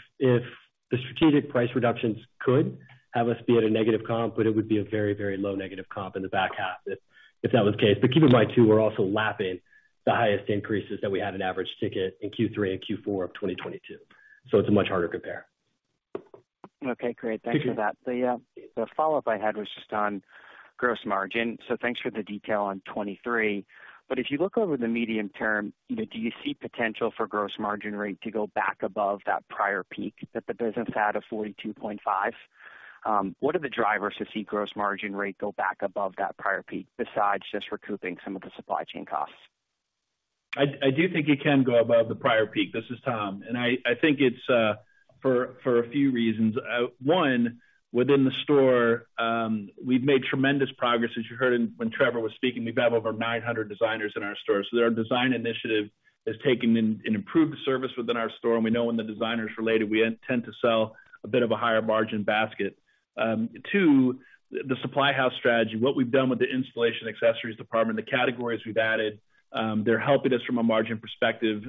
the strategic price reductions could have us be at a negative comp, but it would be a very, very low negative comp in the back half if that was the case. Keep in mind too, we're also lapping the highest increases that we had in average ticket in Q3 and Q4 of 2022. It's a much harder compare. Okay, great. Thanks for that. The follow-up I had was just on gross margin, so thanks for the detail on 2023. If you look over the medium term, you know, do you see potential for gross margin rate to go back above that prior peak that the business had of 42.5%? What are the drivers to see gross margin rate go back above that prior peak besides just recouping some of the supply chain costs? I do think it can go above the prior peak. This is Tom, I think it's for a few reasons. One, within the store, we've made tremendous progress, as you heard when Trevor was speaking. We've added over 900 designers in our stores. So our design initiative has taken an improved service within our store, and we know when the designer is related, we tend to sell a bit of a higher margin basket. Two, the supply house strategy. What we've done with the installation accessories department, the categories we've added, they're helping us from a margin perspective.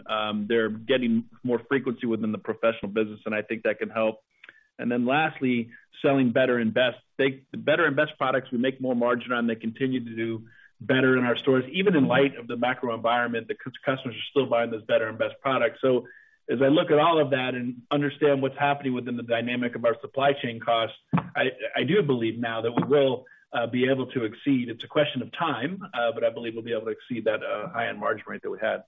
They're getting more frequency within the professional business, and I think that can help. Lastly, selling better and best. The better and best products we make more margin on, they continue to do better in our stores. Even in light of the macro environment, the customers are still buying those better and best products. As I look at all of that and understand what's happening within the dynamic of our supply chain costs, I do believe now that we will be able to exceed. It's a question of time, but I believe we'll be able to exceed that high-end margin rate that we had.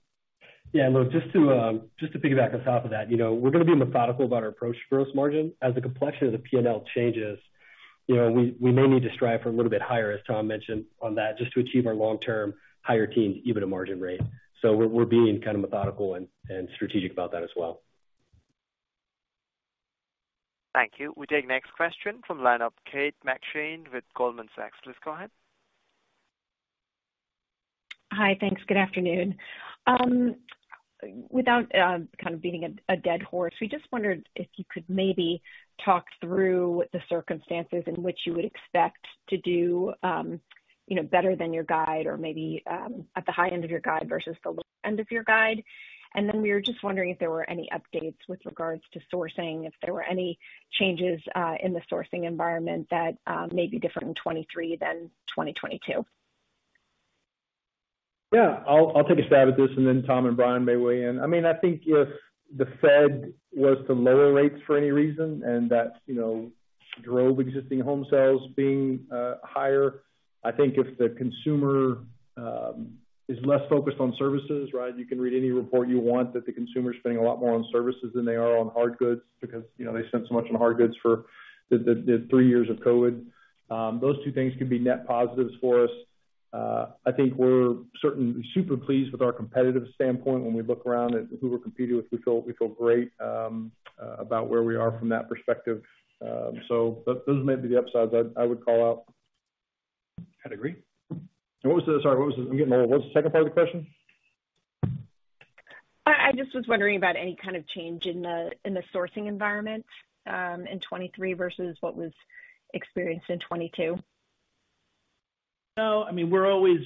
Yeah. Look, just to just to piggyback on top of that, you know, we're gonna be methodical about our approach to gross margin. As the complexion of the P&L changes, you know, we may need to strive for a little bit higher, as Tom mentioned on that, just to achieve our long-term higher teens EBITDA margin rate. We're, we're being kind of methodical and strategic about that as well. Thank you. We take next question from line of Kate McShane with Goldman Sachs. Please go ahead. Hi. Thanks. Good afternoon. Without kind of beating a dead horse, we just wondered if you could maybe talk through the circumstances in which you would expect to do, you know, better than your guide or maybe at the high end of your guide versus the low end of your guide. We were just wondering if there were any updates with regards to sourcing, if there were any changes in the sourcing environment that may be different in 2023 than 2022. Yeah. I'll take a stab at this, and then Tom and Bryan may weigh in. I mean, I think if the Fed was to lower rates for any reason and that, you know, drove existing home sales being higher. I think if the consumer is less focused on services, right? You can read any report you want, that the consumer is spending a lot more on services than they are on hard goods because, you know, they spent so much on hard goods for the three years of COVID. Those two things could be net positives for us. I think we're certainly super pleased with our competitive standpoint. When we look around at who we're competing with, we feel great about where we are from that perspective. Those may be the upsides I would call out. I'd agree. Sorry, what was the, I'm getting old. What was the second part of the question? I just was wondering about any kind of change in the, in the sourcing environment, in 2023 versus what was experienced in 2022. I mean, we're always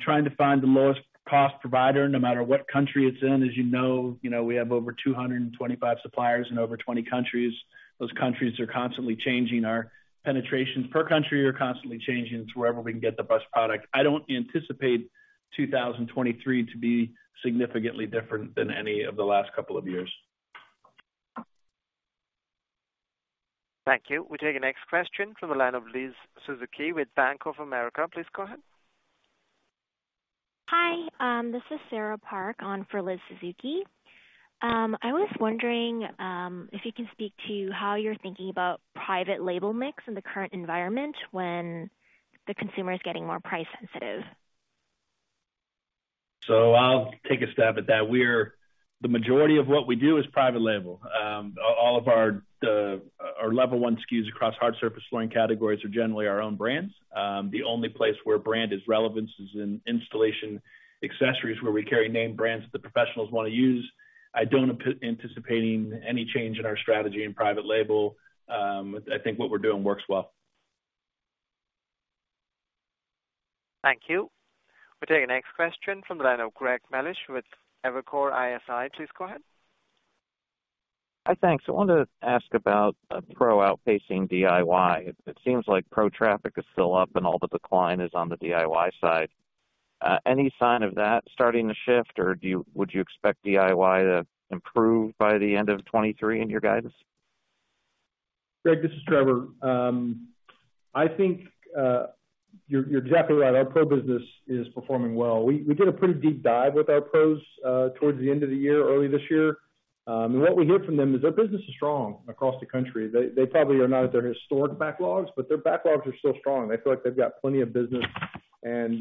trying to find the lowest cost provider no matter what country it's in. As you know, we have over 225 suppliers in over 20 countries. Those countries are constantly changing. Our penetrations per country are constantly changing. It's wherever we can get the best product. I don't anticipate 2023 to be significantly different than any of the last couple of years. Thank you. We take the next question from the line of Liz Suzuki with Bank of America. Please go ahead. Hi. This is Sarah Park on for Liz Suzuki. I was wondering, if you can speak to how you're thinking about private label mix in the current environment when the consumer is getting more price sensitive? I'll take a stab at that. The majority of what we do is private label. All of our level one SKUs across hard surface flooring categories are generally our own brands. The only place where brand is relevance is in installation accessories, where we carry name brands that the professionals wanna use. I don't anticipating any change in our strategy in private label. I think what we're doing works well. Thank you. We'll take the next question from the line of Greg Melich with Evercore ISI. Please go ahead. Hi. Thanks. I wanted to ask about Pro outpacing DIY. It seems like Pro traffic is still up and all the decline is on the DIY side. Any sign of that starting to shift, or would you expect DIY to improve by the end of 2023 in your guidance? Greg, this is Trevor. I think, you're exactly right. Our Pro business is performing well. We did a pretty deep dive with our Pros towards the end of the year, early this year. What we hear from them is their business is strong across the country. They probably are not at their historic backlogs, but their backlogs are still strong. They feel like they've got plenty of business and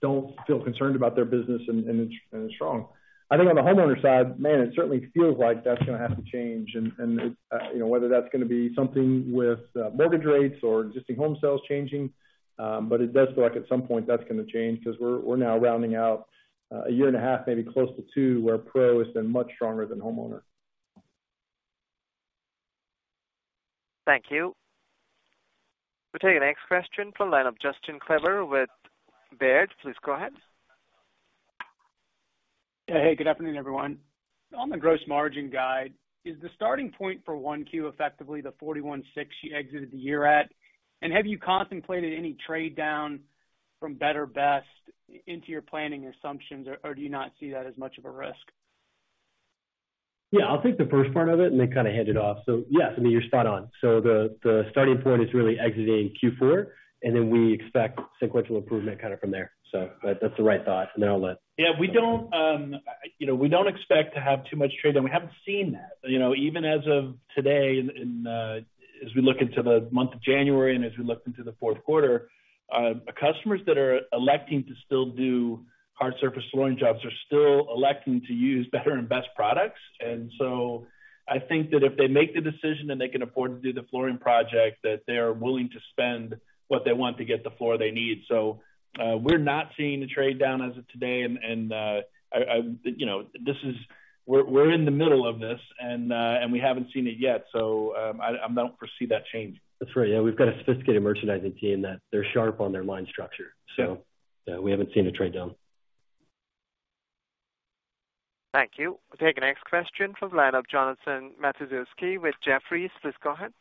don't feel concerned about their business and it's strong. I think on the homeowner side, man, it certainly feels like that's gonna have to change. You know, whether that's gonna be something with mortgage rates or existing home sales changing. It does feel like at some point that's gonna change because we're now rounding out a year and a half, maybe close to two, where Pro has been much stronger than homeowner. Thank you. We'll take the next question from the line of Justin Kleber with Baird. Please go ahead. Yeah. Hey, good afternoon, everyone. On the gross margin guide, is the starting point for 1Q effectively the 41.6% you exited the year at? Have you contemplated any trade down? From better best into your planning assumptions, or do you not see that as much of a risk? Yeah. I'll take the first part of it and then kind of hand it off. Yes, I mean, you're spot on. The starting point is really exiting Q4, and then we expect sequential improvement kind of from there. That's the right thought. Yeah, we don't, you know, we don't expect to have too much trade, and we haven't seen that. You know, even as of today and, as we look into the month of January and as we looked into the fourth quarter, customers that are electing to still do hard surface flooring jobs are still electing to use better and best products. I think that if they make the decision and they can afford to do the flooring project, that they are willing to spend what they want to get the floor they need. We're not seeing the trade-down as of today. I, you know, this is we're in the middle of this and we haven't seen it yet, I don't foresee that changing. That's right. Yeah. We've got a sophisticated merchandising team that they're sharp on their line structure. Yeah, we haven't seen a trade-down. Thank you. We'll take the next question from the line of Jonathan Matuszewski with Jefferies. Please go ahead.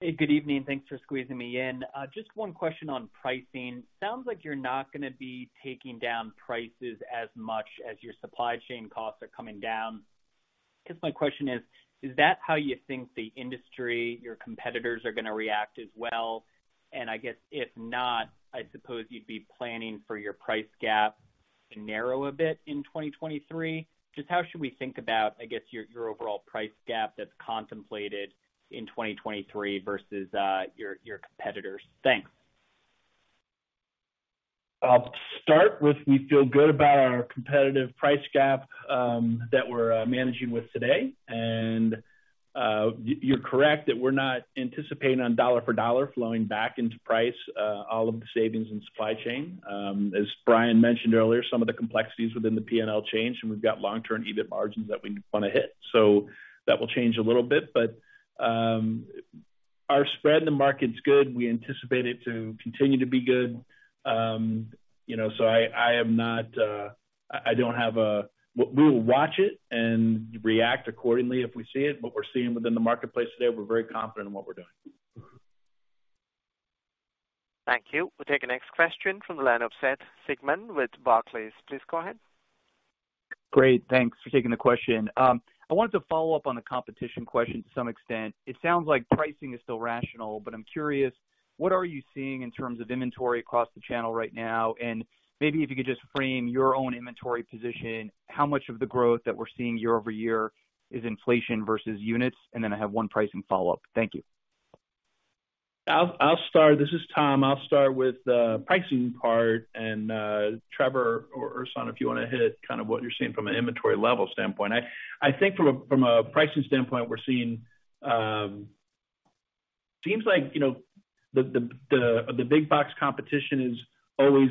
Hey, good evening. Thanks for squeezing me in. Just 1 question on pricing. Sounds like you're not gonna be taking down prices as much as your supply chain costs are coming down. My question is that how you think the industry, your competitors are gonna react as well? If not, I suppose you'd be planning for your price gap to narrow a bit in 2023. Just how should we think about your overall price gap that's contemplated in 2023 versus your competitors? Thanks. I'll start with, we feel good about our competitive price gap that we're managing with today. You're correct that we're not anticipating on dollar for dollar flowing back into price all of the savings and supply chain. As Bryan mentioned earlier, some of the complexities within the P&L change, and we've got long-term EBIT margins that we wanna hit. That will change a little bit. Our spread in the market's good. We anticipate it to continue to be good. You know, we will watch it and react accordingly if we see it. What we're seeing within the marketplace today, we're very confident in what we're doing. Thank you. We'll take the next question from the line of Seth Sigman with Barclays. Please go ahead. Great. Thanks for taking the question. I wanted to follow up on the competition question to some extent. It sounds like pricing is still rational. I'm curious, what are you seeing in terms of inventory across the channel right now? Maybe if you could just frame your own inventory position, how much of the growth that we're seeing year-over-year is inflation versus units, and then I have one pricing follow-up. Thank you. I'll start. This is Tom. I'll start with the pricing part. Trevor or Ersan, if you wanna hit kind of what you're seeing from an inventory level standpoint. I think from a pricing standpoint, we're seeing. Seems like, you know, the big box competition is always,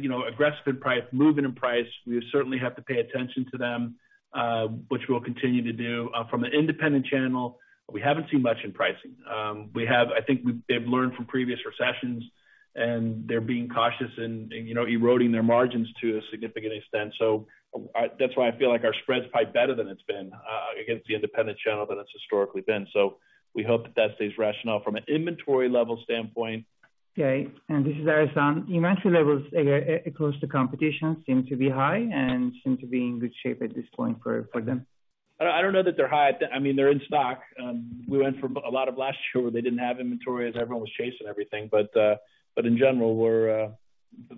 you know, aggressive in price, moving in price. We certainly have to pay attention to them, which we'll continue to do. From an independent channel, we haven't seen much in pricing. I think they've learned from previous recessions, they're being cautious in, you know, eroding their margins to a significant extent. That's why I feel like our spread's probably better than it's been against the independent channel than it's historically been. We hope that that stays rational. From an inventory level standpoint. Okay, this is Ersan. Inventory levels across the competition seem to be high and seem to be in good shape at this point for them. I don't know that they're high. I mean, they're in stock. We went from a lot of last year where they didn't have inventory as everyone was chasing everything. In general, we're.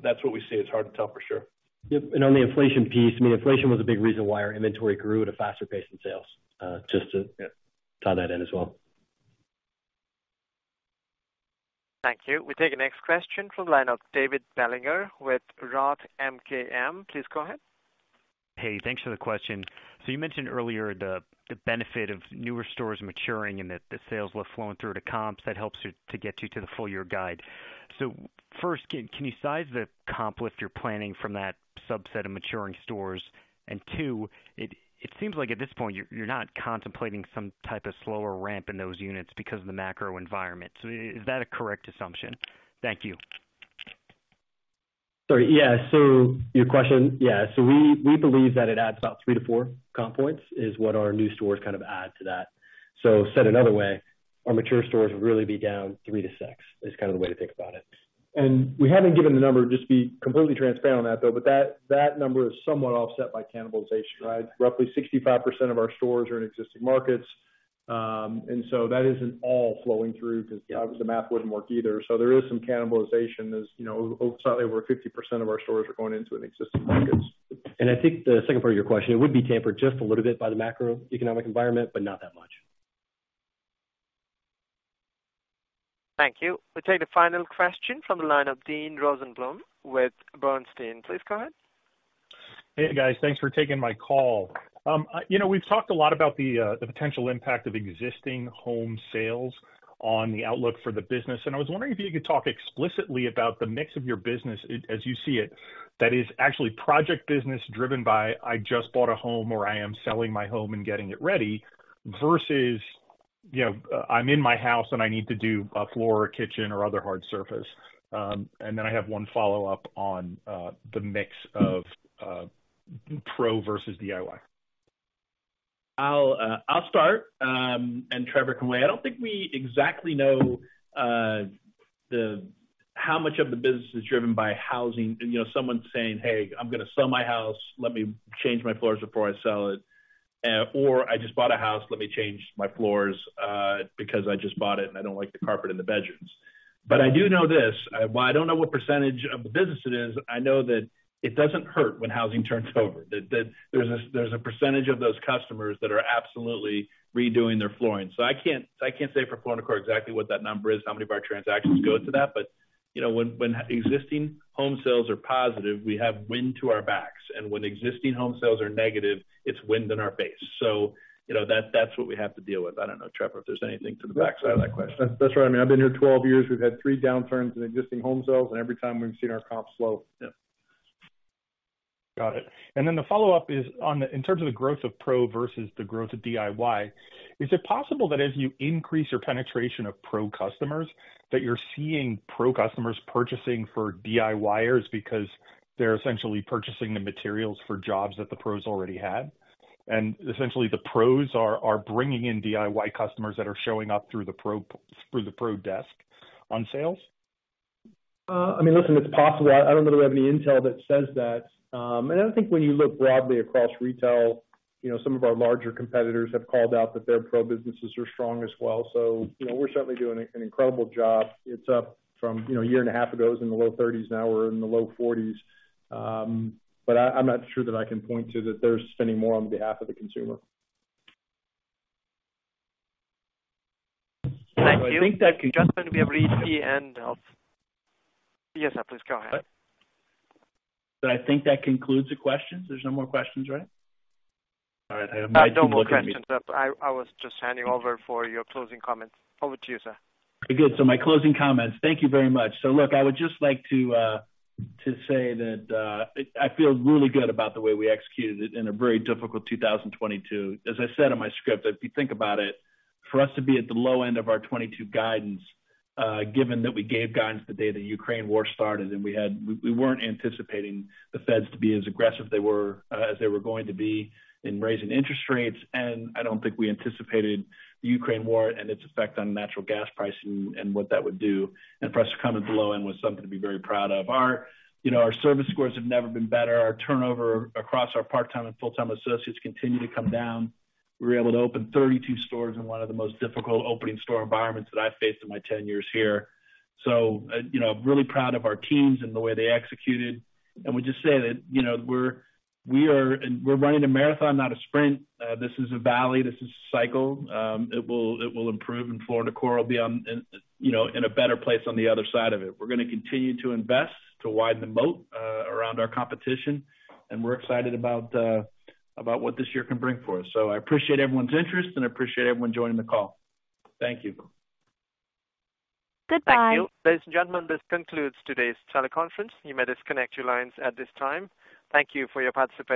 That's what we see. It's hard to tell for sure. Yep. On the inflation piece, I mean, inflation was a big reason why our inventory grew at a faster pace than sales, just to, yeah, tie that in as well. Thank you. We take the next question from the line of David Bellinger with Roth MKM. Please go ahead. Hey, thanks for the question. You mentioned earlier the benefit of newer stores maturing and the sales lift flowing through to comps that helps you to get you to the full year guide. First, can you size the comp lift you're planning from that subset of maturing stores? Two, it seems like at this point you're not contemplating some type of slower ramp in those units because of the macro environment. Is that a correct assumption? Thank you. Sorry. Your question. We believe that it adds about three to four comp points is what our new stores kind of add to that. Said another way, our mature stores would really be down three to six, is kind of the way to think about it. We haven't given the number, just to be completely transparent on that, though, but that number is somewhat offset by cannibalization, right. Roughly 65% of our stores are in existing markets. That isn't all flowing through 'cause obviously the math wouldn't work either. There is some cannibalization. As you know, slightly over 50% of our stores are going into an existing markets. I think the second part of your question, it would be tampered just a little bit by the macroeconomic environment, but not that much. Thank you. We'll take the final question from the line of Dean Rosenblum with Bernstein. Please go ahead. Hey, guys. Thanks for taking my call. You know, we've talked a lot about the potential impact of existing home sales on the outlook for the business. I was wondering if you could talk explicitly about the mix of your business as you see it, that is actually project business driven by, "I just bought a home," or, "I am selling my home and getting it ready," versus, you know, "I'm in my house and I need to do a floor, a kitchen or other hard surface." Then I have one follow-up on the mix of Pro versus DIY. I'll start, Trevor can weigh. I don't think we exactly know how much of the business is driven by housing. You know, someone saying, "Hey, I'm gonna sell my house. Let me change my floors before I sell it." I just bought a house. Let me change my floors because I just bought it, and I don't like the carpet in the bedrooms. I do know this. While I don't know what percent of the business it is, I know that it doesn't hurt when housing turns over. That there's a percent of those customers that are absolutely redoing their flooring. I can't say for Floor & Decor exactly what that number is, how many of our transactions go to that. You know, when existing home sales are positive, we have wind to our backs. When existing home sales are negative, it's wind in our face. You know, that's what we have to deal with. I don't know, Trevor, if there's anything to the back side of that question? That's right. I mean, I've been here 12 years. We've had three downturns in existing home sales. Every time we've seen our comps slow. Yeah. Got it. Then the follow-up is on the in terms of the growth of Pro versus the growth of DIY, is it possible that as you increase your penetration of Pro customers, that you're seeing Pro customers purchasing for DIYers because they're essentially purchasing the materials for jobs that the Pros already had? Essentially the Pros are bringing in DIY customers that are showing up through the Pro desk on sales? I mean, listen, it's possible. I don't know that we have any intel that says that. I think when you look broadly across retail, you know, some of our larger competitors have called out that their Pro businesses are strong as well. You know, we're certainly doing an incredible job. It's up from, you know, a year and a half ago, it was in the low 30s. Now we're in the low 40s. I'm not sure that I can point to that they're spending more on behalf of the consumer. I think. Thank you. Just when we have reached the end of. Yes, sir. Please go ahead. I think that concludes the questions. There's no more questions, right? All right. I have Mike looking at me. No more questions. I was just handing over for your closing comments. Over to you, sir. Good. My closing comments. Thank you very much. Look, I would just like to say that I feel really good about the way we executed in a very difficult 2022. As I said in my script, if you think about it, for us to be at the low end of our 2022 guidance, given that we gave guidance the day the Ukraine War started, and we weren't anticipating the Fed to be as aggressive as they were going to be in raising interest rates. I don't think we anticipated the Ukraine War and its effect on natural gas pricing and what that would do. For us to come in below and was something to be very proud of. Our, you know, our service scores have never been better. Our turnover across our part-time and full-time associates continue to come down. We were able to open 32 stores in one of the most difficult opening store environments that I faced in my 10 years here. You know, really proud of our teams and the way they executed. We just say that, you know, we're running a marathon, not a sprint. This is a valley. This is a cycle. It will, it will improve, and Floor & Decor will be in, you know, in a better place on the other side of it. We're gonna continue to invest, to wide the moat, around our competition, and we're excited about what this year can bring for us. I appreciate everyone's interest, and I appreciate everyone joining the call. Thank you. Goodbye. Ladies and gentlemen, this concludes today's teleconference. You may disconnect your lines at this time. Thank you for your participation.